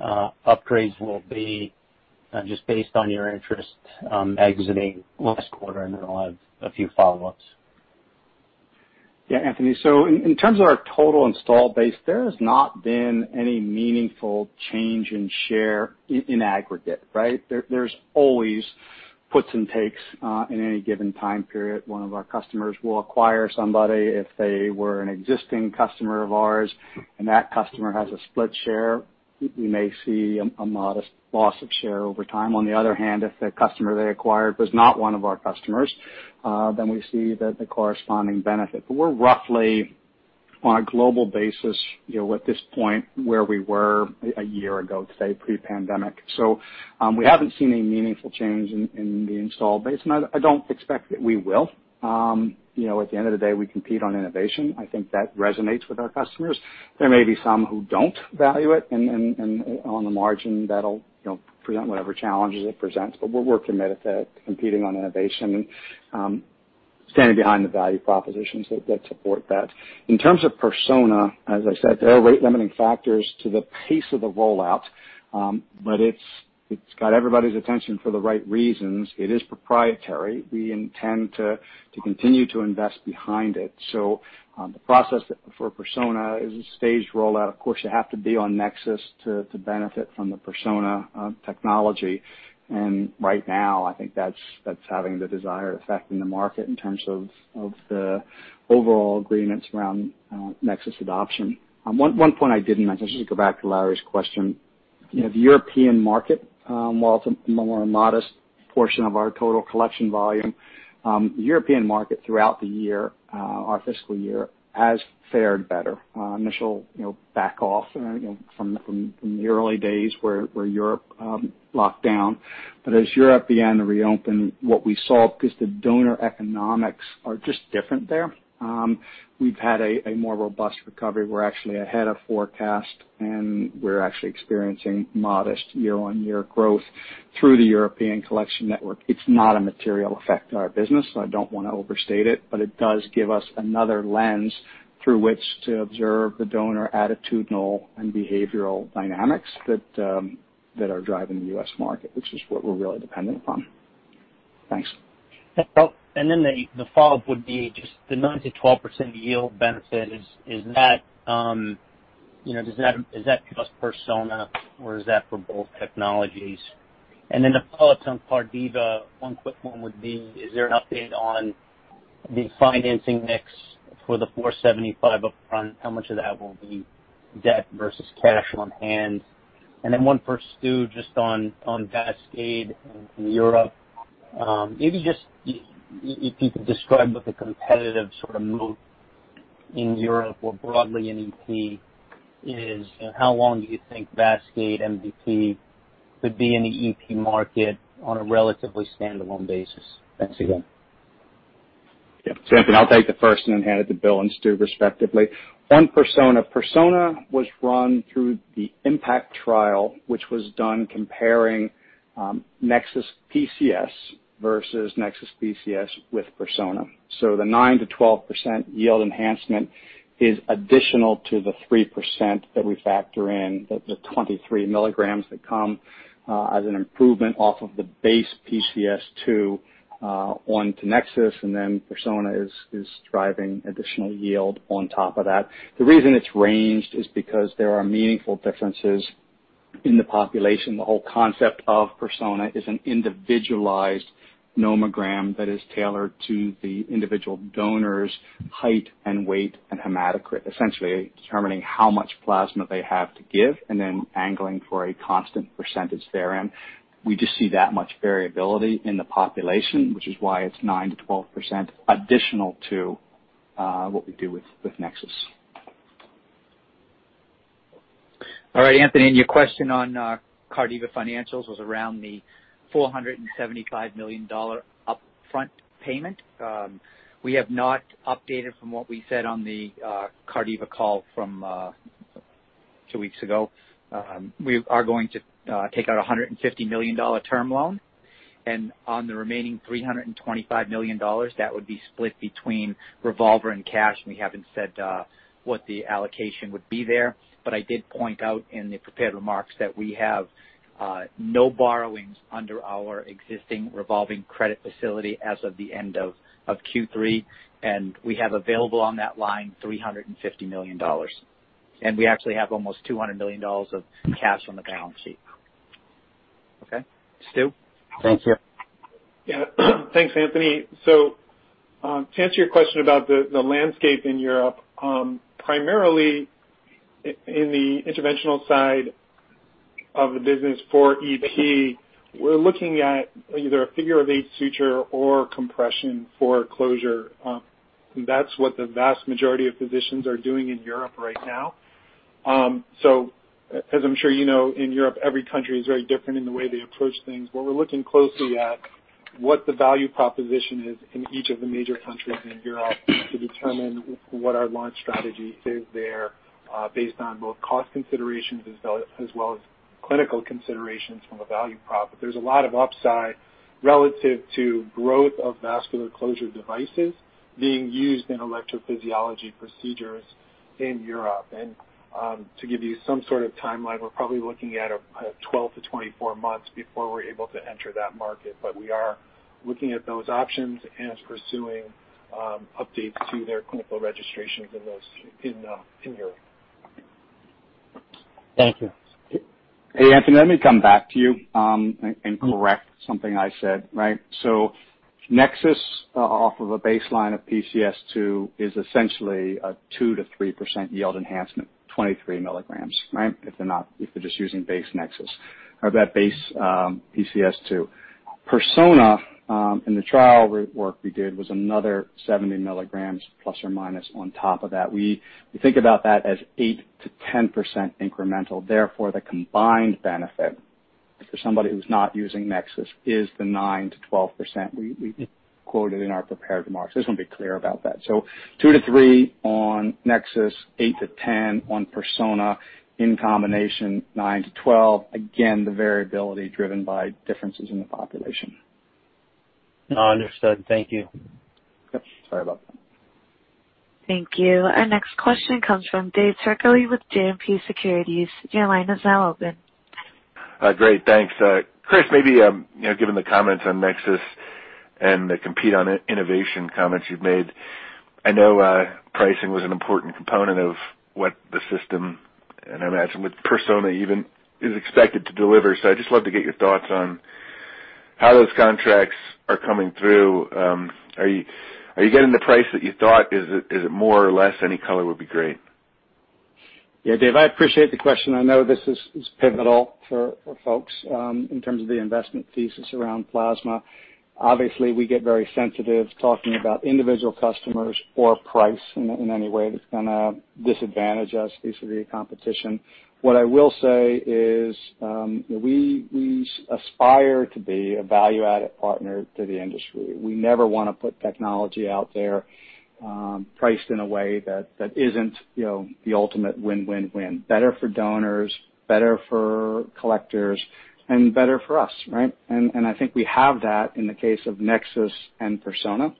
upgrades will be just based on your interest exiting last quarter? Then I'll have a few follow-ups. Anthony. In terms of our total install base, there has not been any meaningful change in share in aggregate, right? There's always puts and takes in any given time period. One of our customers will acquire somebody if they were an existing customer of ours and that customer has a split share. We may see a modest loss of share over time. On the other hand, if the customer they acquired was not one of our customers, we see the corresponding benefit. We're roughly on a global basis at this point where we were a year ago today pre-pandemic. We haven't seen any meaningful change in the install base, and I don't expect that we will. At the end of the day, we compete on innovation. I think that resonates with our customers. There may be some who don't value it, and on the margin, that'll present whatever challenges it presents. We're committed to competing on innovation and standing behind the value propositions that support that. In terms of Persona, as I said, there are rate-limiting factors to the pace of the rollout. It's got everybody's attention for the right reasons. It is proprietary. We intend to continue to invest behind it. The process for Persona is a staged rollout. Of course, you have to be on NexSys to benefit from the Persona technology. Right now, I think that's having the desired effect in the market in terms of the overall agreements around NexSys adoption. One point I should just go back to Larry's question. The European market, while it's a more modest portion of our total collection volume, the European market throughout the year, our fiscal year, has fared better. Initial back off from the early days where Europe locked down. As Europe began to reopen, what we saw because the donor economics are just different there. We've had a more robust recovery. We're actually ahead of forecast, and we're actually experiencing modest year-on-year growth through the European collection network. It's not a material effect on our business, so I don't want to overstate it. It does give us another lens through which to observe the donor attitudinal and behavioral dynamics that are driving the U.S. market, which is what we're really dependent upon. Thanks. The follow-up would be just the 9%-12% yield benefit, is that just Persona or is that for both technologies? The follow-up on Cardiva, one quick one would be, is there an update on the financing mix for the $475 upfront? How much of that will be debt versus cash on hand? One for Stu, just on VASCADE in Europe. Maybe just if you could describe what the competitive sort of moat in Europe or broadly in EP is. How long do you think VASCADE MVP could be in the EP market on a relatively standalone basis? Thanks again. Yeah. Anthony, I'll take the first and then hand it to Bill and Stu respectively. On Persona was run through the IMPACT trial, which was done comparing NexSys PCS versus NexSys PCS with Persona. The 9%-12% yield enhancement is additional to the 3% that we factor in, the 23 mg that come as an improvement off of the base PCS2 onto NexSys, and then Persona is driving additional yield on top of that. The reason it's ranged is because there are meaningful differences in the population. The whole concept of Persona is an individualized nomogram that is tailored to the individual donor's height and weight and hematocrit, essentially determining how much plasma they have to give and then angling for a constant percentage therein. We just see that much variability in the population, which is why it's 9%-12% additional to what we do with NexSys. Your question on Cardiva financials was around the $475 million upfront payment. We have not updated from what we said on the Cardiva call from two weeks ago. We are going to take out $150 million term loan, on the remaining $325 million, that would be split between revolver and cash. We haven't said what the allocation would be there, I did point out in the prepared remarks that we have no borrowings under our existing revolving credit facility as of the end of Q3, we have available on that line $350 million. We actually have almost $200 million of cash on the balance sheet. Okay. Stu? Thanks, yeah. Yeah. Thanks, Anthony. To answer your question about the landscape in Europe, primarily in the interventional side of the business for EP, we're looking at either a figure-of-eight suture or compression for closure. That's what the vast majority of physicians are doing in Europe right now. As I'm sure you know, in Europe, every country is very different in the way they approach things. What we're looking closely at, what the value proposition is in each of the major countries in Europe to determine what our launch strategy is there, based on both cost considerations as well as clinical considerations from a value prop. There's a lot of upside relative to growth of vascular closure devices being used in electrophysiology procedures in Europe. To give you some sort of timeline, we're probably looking at a 12 to 24 months before we're able to enter that market. We are looking at those options and pursuing updates to their clinical registrations in Europe. Thank you. Hey, Anthony, let me come back to you and correct something I said, right? NexSys, off of a baseline of PCS2, is essentially a 2%-3% yield enhancement, 23 milligrams, right? If they're just using base NexSys or that base PCS2. Persona, in the trial work we did, was another ±70 mg on top of that. We think about that as 8%-10% incremental. The combined benefit for somebody who's not using NexSys is the 9%-12% we quoted in our prepared remarks. I just want to be clear about that. Two to three on NexSys, 8-10 on Persona. In combination, 9-12. The variability driven by differences in the population. Understood. Thank you. Yep. Sorry about that. Thank you. Our next question comes from Dave Turkaly with JMP Securities. Your line is now open. Great. Thanks. Chris, maybe, given the comments on NexSys and the compete on innovation comments you've made, I know pricing was an important component of what the system, and I imagine with Persona even, is expected to deliver. I'd just love to get your thoughts on how those contracts are coming through. Are you getting the price that you thought? Is it more or less? Any color would be great. Yeah, Dave, I appreciate the question. I know this is pivotal for folks in terms of the investment thesis around plasma. Obviously, we get very sensitive talking about individual customers or price in any way that's going to disadvantage us vis-a-vis competition. What I will say is we aspire to be a value-added partner to the industry. We never want to put technology out there priced in a way that isn't the ultimate win-win-win. Better for donors, better for collectors, and better for us, right? I think we have that in the case of NexSys and Persona.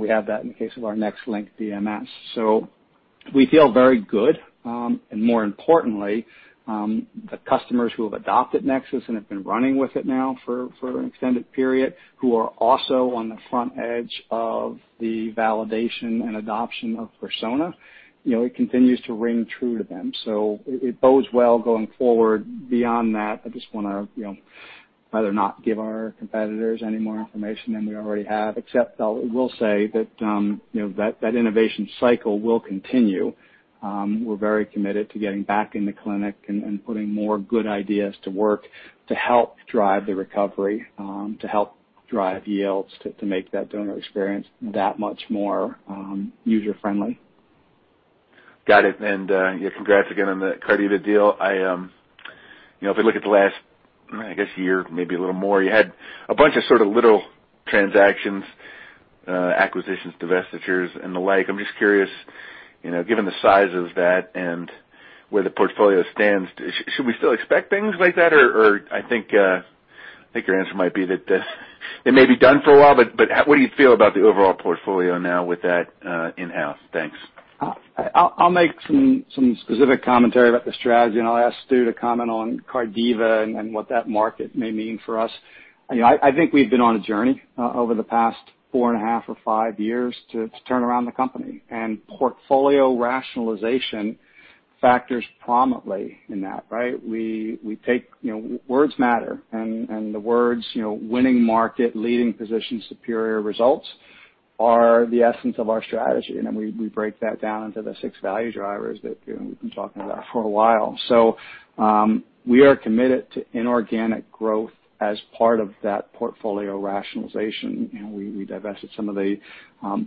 We have that in the case of our NexLynk DMS. We feel very good. More importantly, the customers who have adopted NexSys and have been running with it now for an extended period, who are also on the front edge of the validation and adoption of Persona, it continues to ring true to them. It bodes well going forward. Beyond that, I just want to rather not give our competitors any more information than we already have, except I will say that innovation cycle will continue. We're very committed to getting back in the clinic and putting more good ideas to work to help drive the recovery, to help drive yields, to make that donor experience that much more user-friendly. Got it. Yeah, congrats again on the Cardiva deal. If I look at the last, I guess year, maybe a little more, you had a bunch of sort of little transactions, acquisitions, divestitures, and the like. I'm just curious, given the size of that and where the portfolio stands, should we still expect things like that? I think your answer might be that it may be done for a while, but what do you feel about the overall portfolio now with that in-house? Thanks. I'll make some specific commentary about the strategy, I'll ask Stu to comment on Cardiva and what that market may mean for us. I think we've been on a journey over the past four and a half or five years to turn around the company, Portfolio rationalization factors prominently in that, right? Words matter, The words winning market, leading position, superior results, are the essence of our strategy. Then we break that down into the six value drivers that we've been talking about for a while. We are committed to inorganic growth as part of that portfolio rationalization. We divested some of the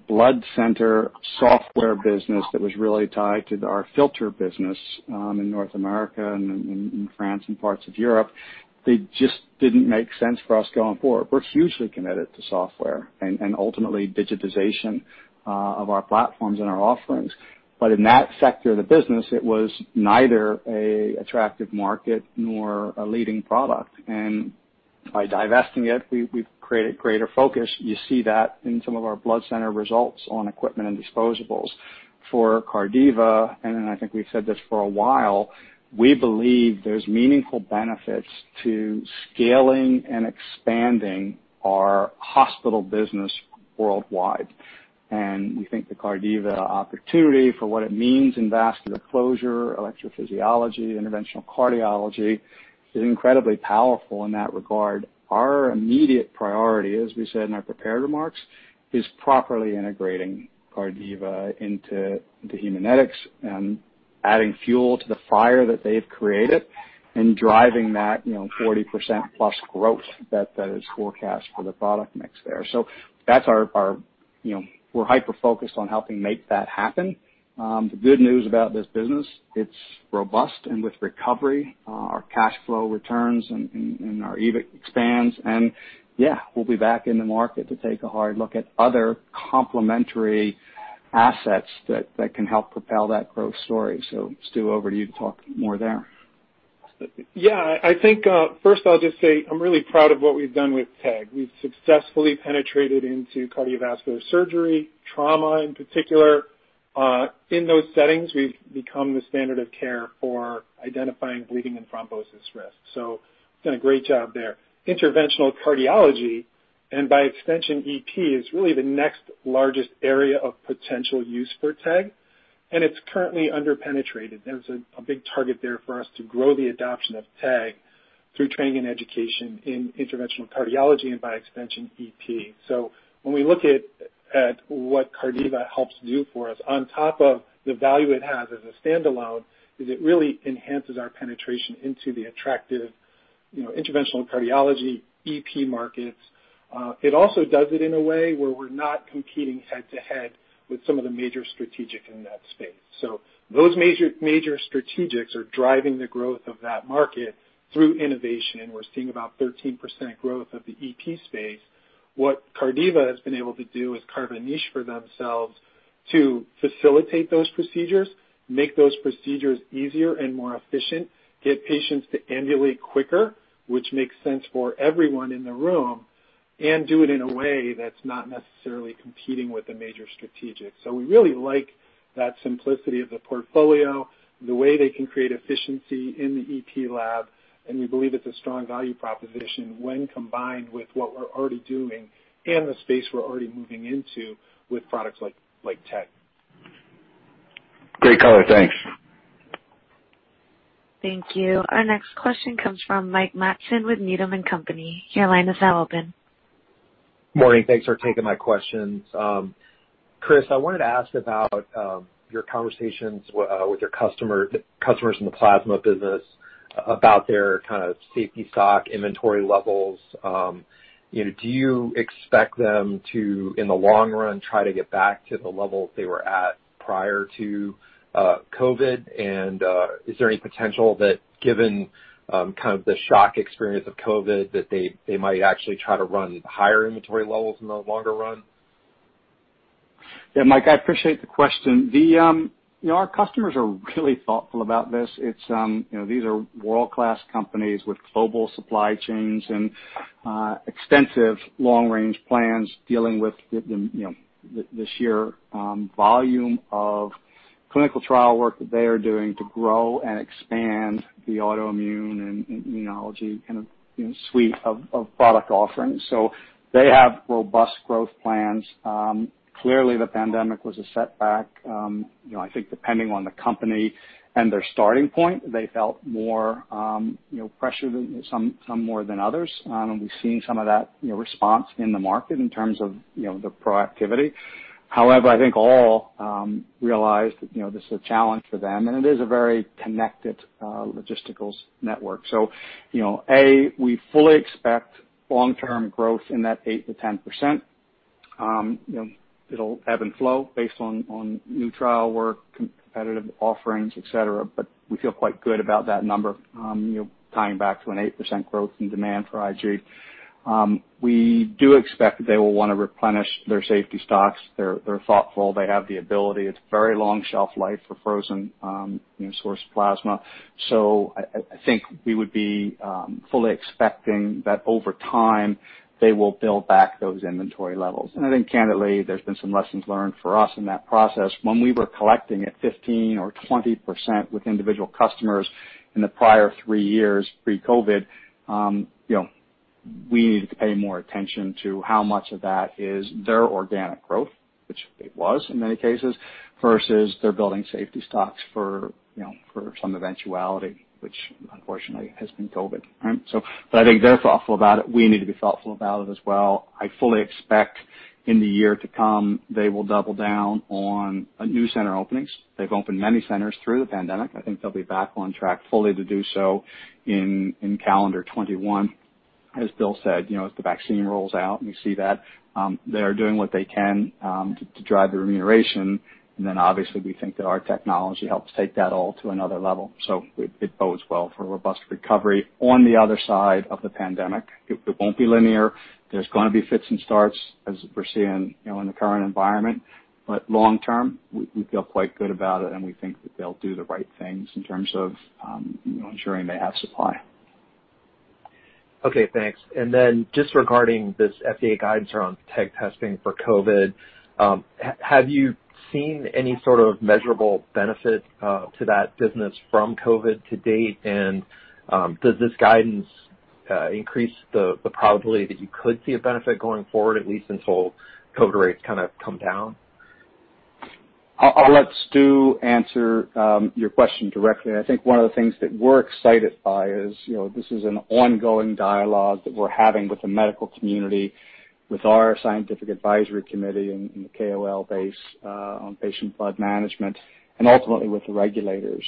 blood center software business that was really tied to our filter business in North America and in France and parts of Europe. They just didn't make sense for us going forward. We're hugely committed to software and ultimately digitization of our platforms and our offerings. In that sector of the business, it was neither an attractive market nor a leading product. By divesting it, we've created greater focus. You see that in some of our blood center results on equipment and disposables. For Cardiva, I think we've said this for a while, we believe there's meaningful benefits to scaling and expanding our hospital business worldwide. We think the Cardiva opportunity for what it means in vascular closure, electrophysiology, interventional cardiology, is incredibly powerful in that regard. Our immediate priority, as we said in our prepared remarks, is properly integrating Cardiva into Haemonetics and adding fuel to the fire that they've created and driving that 40%+ growth that is forecast for the product mix there. We're hyper-focused on helping make that happen. The good news about this business, it's robust and with recovery, our cash flow returns and our EBIT expands. Yeah, we'll be back in the market to take a hard look at other complementary assets that can help propel that growth story. Stu, over to you to talk more there. I think, first I'll just say I'm really proud of what we've done with TEG. We've successfully penetrated into cardiovascular surgery, trauma in particular. In those settings, we've become the standard of care for identifying bleeding and thrombosis risk. We've done a great job there. Interventional cardiology, and by extension EP, is really the next largest area of potential use for TEG, and it's currently under-penetrated. There's a big target there for us to grow the adoption of TEG through training and education in interventional cardiology and by extension EP. When we look at what Cardiva helps do for us on top of the value it has as a standalone, is it really enhances our penetration into the attractive interventional cardiology, EP markets. It also does it in a way where we're not competing head to head with some of the major strategic in that space. Those major strategics are driving the growth of that market through innovation, and we're seeing about 13% growth of the EP space. What Cardiva has been able to do is carve a niche for themselves to facilitate those procedures, make those procedures easier and more efficient, get patients to ambulate quicker, which makes sense for everyone in the room, and do it in a way that's not necessarily competing with a major strategic. We really like that simplicity of the portfolio, the way they can create efficiency in the EP lab, and we believe it's a strong value proposition when combined with what we're already doing and the space we're already moving into with products like TEG. Great color. Thanks. Thank you. Our next question comes from Mike Matson with Needham & Company. Your line is now open. Morning. Thanks for taking my questions. Chris, I wanted to ask about your conversations with your customers in the plasma business about their safety stock inventory levels. Do you expect them to, in the long run, try to get back to the levels they were at prior to COVID? Is there any potential that given the shock experience of COVID, that they might actually try to run higher inventory levels in the longer run? Yeah, Mike, I appreciate the question. Our customers are really thoughtful about this. These are world-class companies with global supply chains and extensive Long-Range Plans dealing with the sheer volume of clinical trial work that they are doing to grow and expand the autoimmune and immunology suite of product offerings. They have robust growth plans. Clearly, the pandemic was a setback. I think depending on the company and their starting point, they felt more pressure, some more than others. We've seen some of that response in the market in terms of their proactivity. However, I think all realized this is a challenge for them, and it is a very connected logistical network. A, we fully expect long-term growth in that 8%-10%. It'll ebb and flow based on new trial work, competitive offerings, et cetera, but we feel quite good about that number, tying back to an 8% growth in demand for IG. We do expect that they will want to replenish their safety stocks. They're thoughtful. They have the ability. It's very long shelf life for frozen source plasma. I think we would be fully expecting that over time, they will build back those inventory levels. I think candidly, there's been some lessons learned for us in that process. When we were collecting at 15% or 20% with individual customers in the prior three years pre-COVID, we needed to pay more attention to how much of that is their organic growth, which it was in many cases, versus they're building safety stocks for some eventuality, which unfortunately has been COVID, right? I think they're thoughtful about it. We need to be thoughtful about it as well. I fully expect in the year to come, they will double down on new center openings. They've opened many centers through the pandemic. I think they'll be back on track fully to do so in calendar 2021. Bill said, as the vaccine rolls out and we see that, they are doing what they can to drive the remuneration, and obviously, we think that our technology helps take that all to another level. It bodes well for a robust recovery on the other side of the pandemic. It won't be linear. There's going to be fits and starts as we're seeing in the current environment. Long term, we feel quite good about it, and we think that they'll do the right things in terms of ensuring they have supply. Okay, thanks. Just regarding this FDA guidance around TEG testing for COVID, have you seen any sort of measurable benefit to that business from COVID to date? Does this guidance increase the probability that you could see a benefit going forward, at least until COVID rates kind of come down? I'll let Stu answer your question directly. I think one of the things that we're excited by is this is an ongoing dialogue that we're having with the medical community, with our scientific advisory committee and the KOL base on patient blood management, and ultimately with the regulators.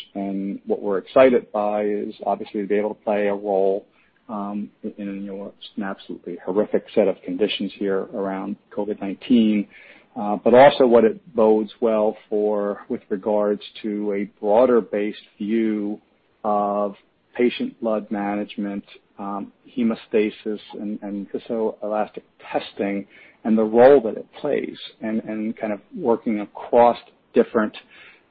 What we're excited by is obviously to be able to play a role in an absolutely horrific set of conditions here around COVID-19, but also what it bodes well for with regards to a broader-based view of patient blood management, hemostasis, and viscoelastic testing and the role that it plays and kind of working across different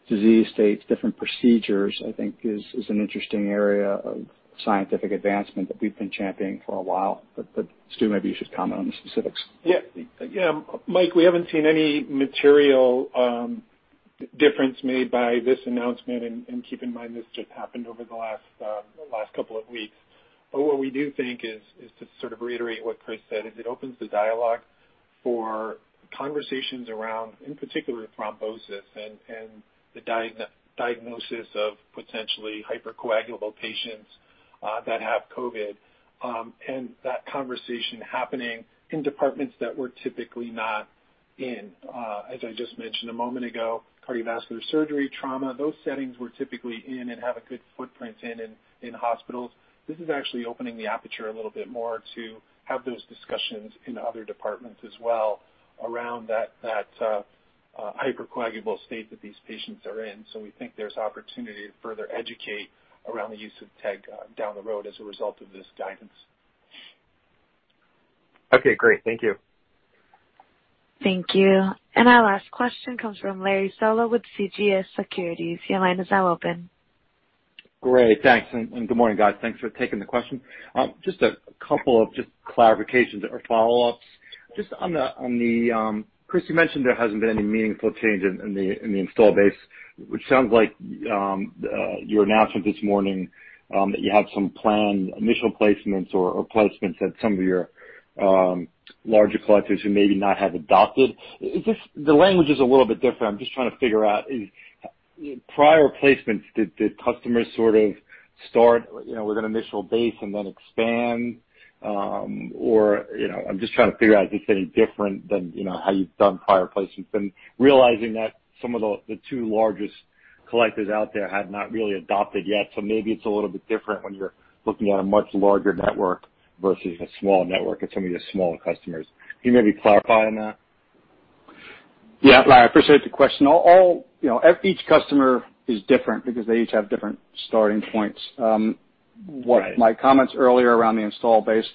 disease states, different procedures, I think, is an interesting area of scientific advancement that we've been championing for a while. Stu, maybe you should comment on the specifics. Yeah. Mike, we haven't seen any material difference made by this announcement, and keep in mind, this just happened over the last couple of weeks. What we do think is, to sort of reiterate what Chris said, is it opens the dialogue for conversations around, in particular, thrombosis and the diagnosis of potentially hypercoagulable patients that have COVID, and that conversation happening in departments that we're typically not in. As I just mentioned a moment ago, cardiovascular surgery, trauma, those settings we're typically in and have a good footprint in hospitals. This is actually opening the aperture a little bit more to have those discussions in other departments as well around that hypercoagulable state that these patients are in. We think there's opportunity to further educate around the use of TEG down the road as a result of this guidance. Okay, great. Thank you. Thank you. Our last question comes from Larry Solow with CJS Securities. Your line is now open. Great. Thanks. Good morning, guys. Thanks for taking the question. Just a couple of clarifications or follow-ups. Chris, you mentioned there hasn't been any meaningful change in the install base, which sounds like your announcement this morning that you have some planned initial placements or placements at some of your larger collectors who maybe not have adopted. The language is a little bit different. I'm just trying to figure out, prior placements, did customers sort of start with an initial base and then expand? I'm just trying to figure out if it's any different than how you've done prior placements and realizing that some of the two largest collectors out there have not really adopted yet. Maybe it's a little bit different when you're looking at a much larger network versus a small network and some of your smaller customers. Can you maybe clarify on that? Yeah, Larry, I appreciate the question. Each customer is different because they each have different starting points. My comments earlier around the install base,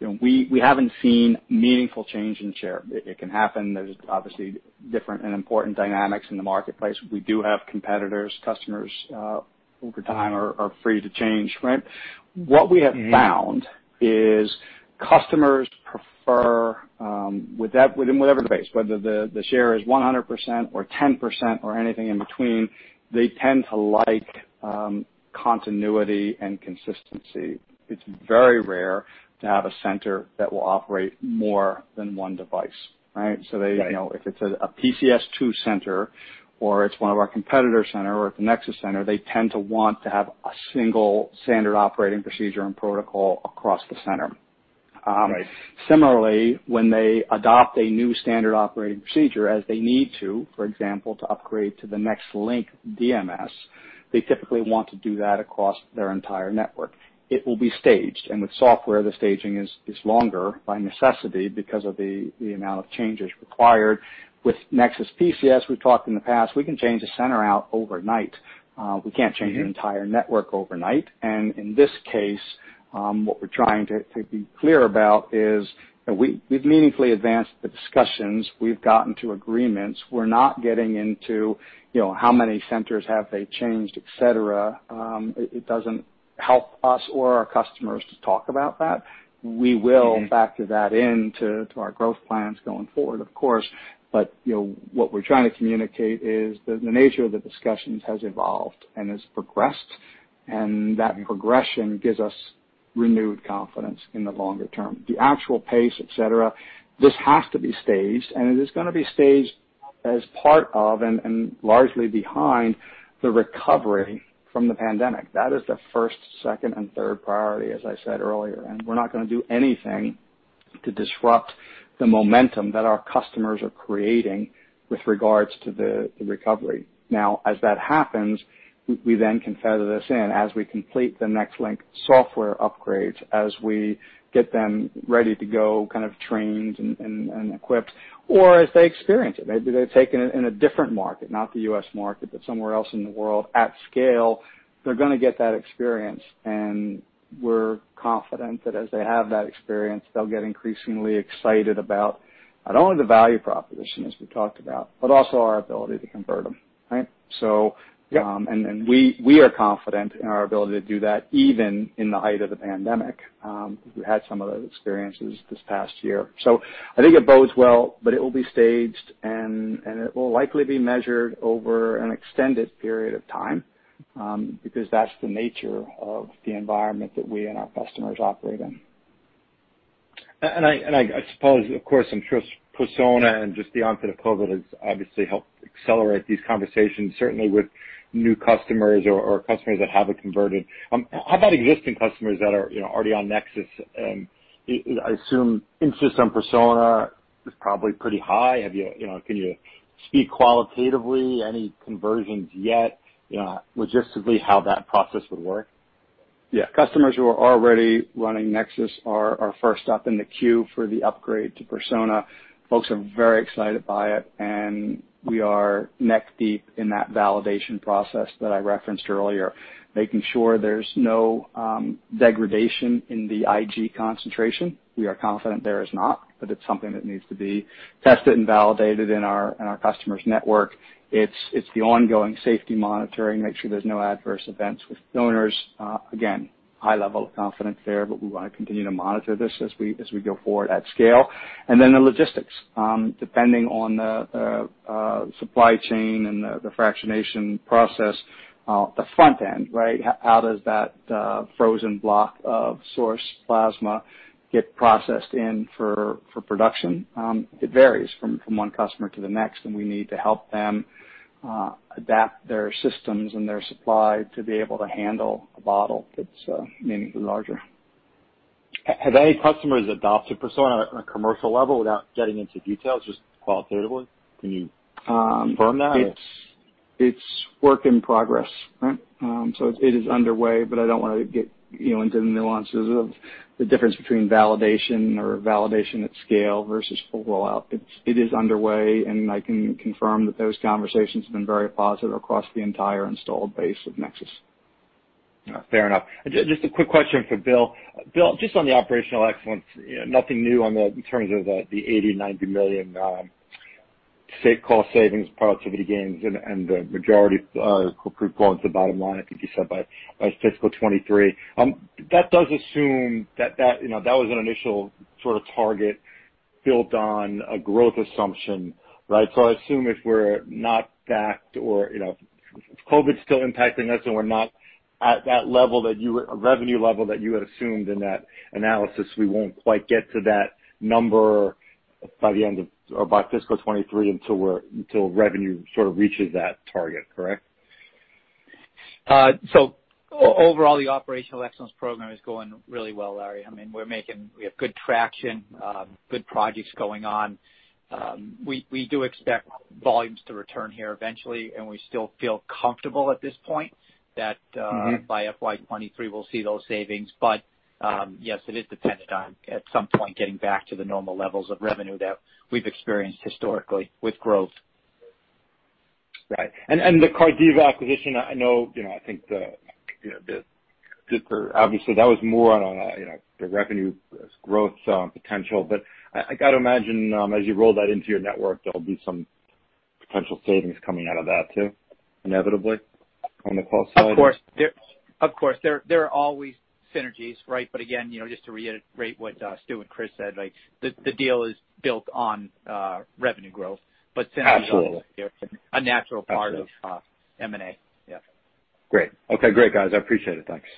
we haven't seen meaningful change in share. It can happen. There's obviously different and important dynamics in the marketplace. We do have competitors. Customers, over time, are free to change. What we have found is customers prefer, within whatever base, whether the share is 100% or 10% or anything in between, they tend to like continuity and consistency. It's very rare to have a center that will operate more than one device. Right? Right. If it's a PCS2 center or it's one of our competitor center or it's a NexSys center, they tend to want to have a single standard operating procedure and protocol across the center. Right. Similarly, when they adopt a new standard operating procedure as they need to, for example, to upgrade to the NexLynk DMS, they typically want to do that across their entire network. It will be staged, and with software, the staging is longer by necessity because of the amount of changes required. With NexSys PCS, we've talked in the past, we can change a center out overnight. We can't change an entire network overnight. In this case, what we're trying to be clear about is we've meaningfully advanced the discussions. We've gotten to agreements. We're not getting into how many centers have they changed, et cetera. It doesn't help us or our customers to talk about that. We will factor that into our growth plans going forward, of course. What we're trying to communicate is that the nature of the discussions has evolved and has progressed, and that progression gives us renewed confidence in the longer term. The actual pace, et cetera, this has to be staged, and it is going to be staged as part of and largely behind the recovery from the pandemic. That is the first, second, and third priority, as I said earlier, and we're not going to do anything to disrupt the momentum that our customers are creating with regards to the recovery. As that happens, we then can feather this in as we complete the NexLynk software upgrades, as we get them ready to go, kind of trained and equipped, or as they experience it. Maybe they've taken it in a different market, not the U.S. market, but somewhere else in the world at scale. They're going to get that experience, and we're confident that as they have that experience, they'll get increasingly excited about not only the value proposition as we talked about, but also our ability to convert them. Right? Yep. We are confident in our ability to do that even in the height of the pandemic. We had some of those experiences this past year. I think it bodes well, but it will be staged, and it will likely be measured over an extended period of time, because that's the nature of the environment that we and our customers operate in. I suppose, of course, I'm sure Persona and just the onset of COVID has obviously helped accelerate these conversations, certainly with new customers or customers that haven't converted. How about existing customers that are already on NexSys? I assume interest on Persona is probably pretty high. Can you speak qualitatively any conversions yet, logistically how that process would work? Yeah. Customers who are already running NexSys are first up in the queue for the upgrade to Persona. Folks are very excited by it, and we are neck deep in that validation process that I referenced earlier, making sure there's no degradation in the IG concentration. We are confident there is not, but it's something that needs to be tested and validated in our customers' network. It's the ongoing safety monitoring, make sure there's no adverse events with donors. Again, high level of confidence there, but we want to continue to monitor this as we go forward at scale. Then the logistics, depending on the supply chain and the fractionation process, the front end. How does that frozen block of source plasma get processed in for production? It varies from one customer to the next, and we need to help them adapt their systems and their supply to be able to handle a bottle that's meaningfully larger. Have any customers adopted Persona on a commercial level? Without getting into details, just qualitatively, can you confirm that? It's work in progress. It is underway, but I don't want to get into the nuances of the difference between validation or validation at scale versus full rollout. It is underway, and I can confirm that those conversations have been very positive across the entire installed base of NexSys. Fair enough. Just a quick question for Bill. Bill, just on the operational excellence, nothing new in terms of the $80 million-$90 million cost savings, productivity gains, and the majority going to the bottom line, I think you said by FY 2023. That does assume that was an initial sort of target built on a growth assumption. Right? I assume if we're not back or if COVID-19's still impacting us and we're not at that revenue level that you had assumed in that analysis, we won't quite get to that number by FY 2023 until revenue sort of reaches that target, correct? Overall, the operational excellence program is going really well, Larry. We have good traction, good projects going on. We do expect volumes to return here eventually. We still feel comfortable at this point that by FY 2023, we'll see those savings. Yes, it is dependent on, at some point, getting back to the normal levels of revenue that we've experienced historically with growth. Right. The Cardiva acquisition, I think obviously that was more on the revenue growth potential. I got to imagine, as you roll that into your network, there'll be some potential savings coming out of that, too, inevitably on the cost side. Of course. There are always synergies. Again, just to reiterate what Stu and Chris said, the deal is built on revenue growth. Absolutely. Synergies are a natural part of M&A. Yeah. Great. Okay, great, guys. I appreciate it. Thanks.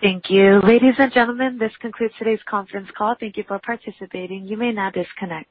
Thank you. Ladies and gentlemen, this concludes today's conference call. Thank you for participating. You may now disconnect.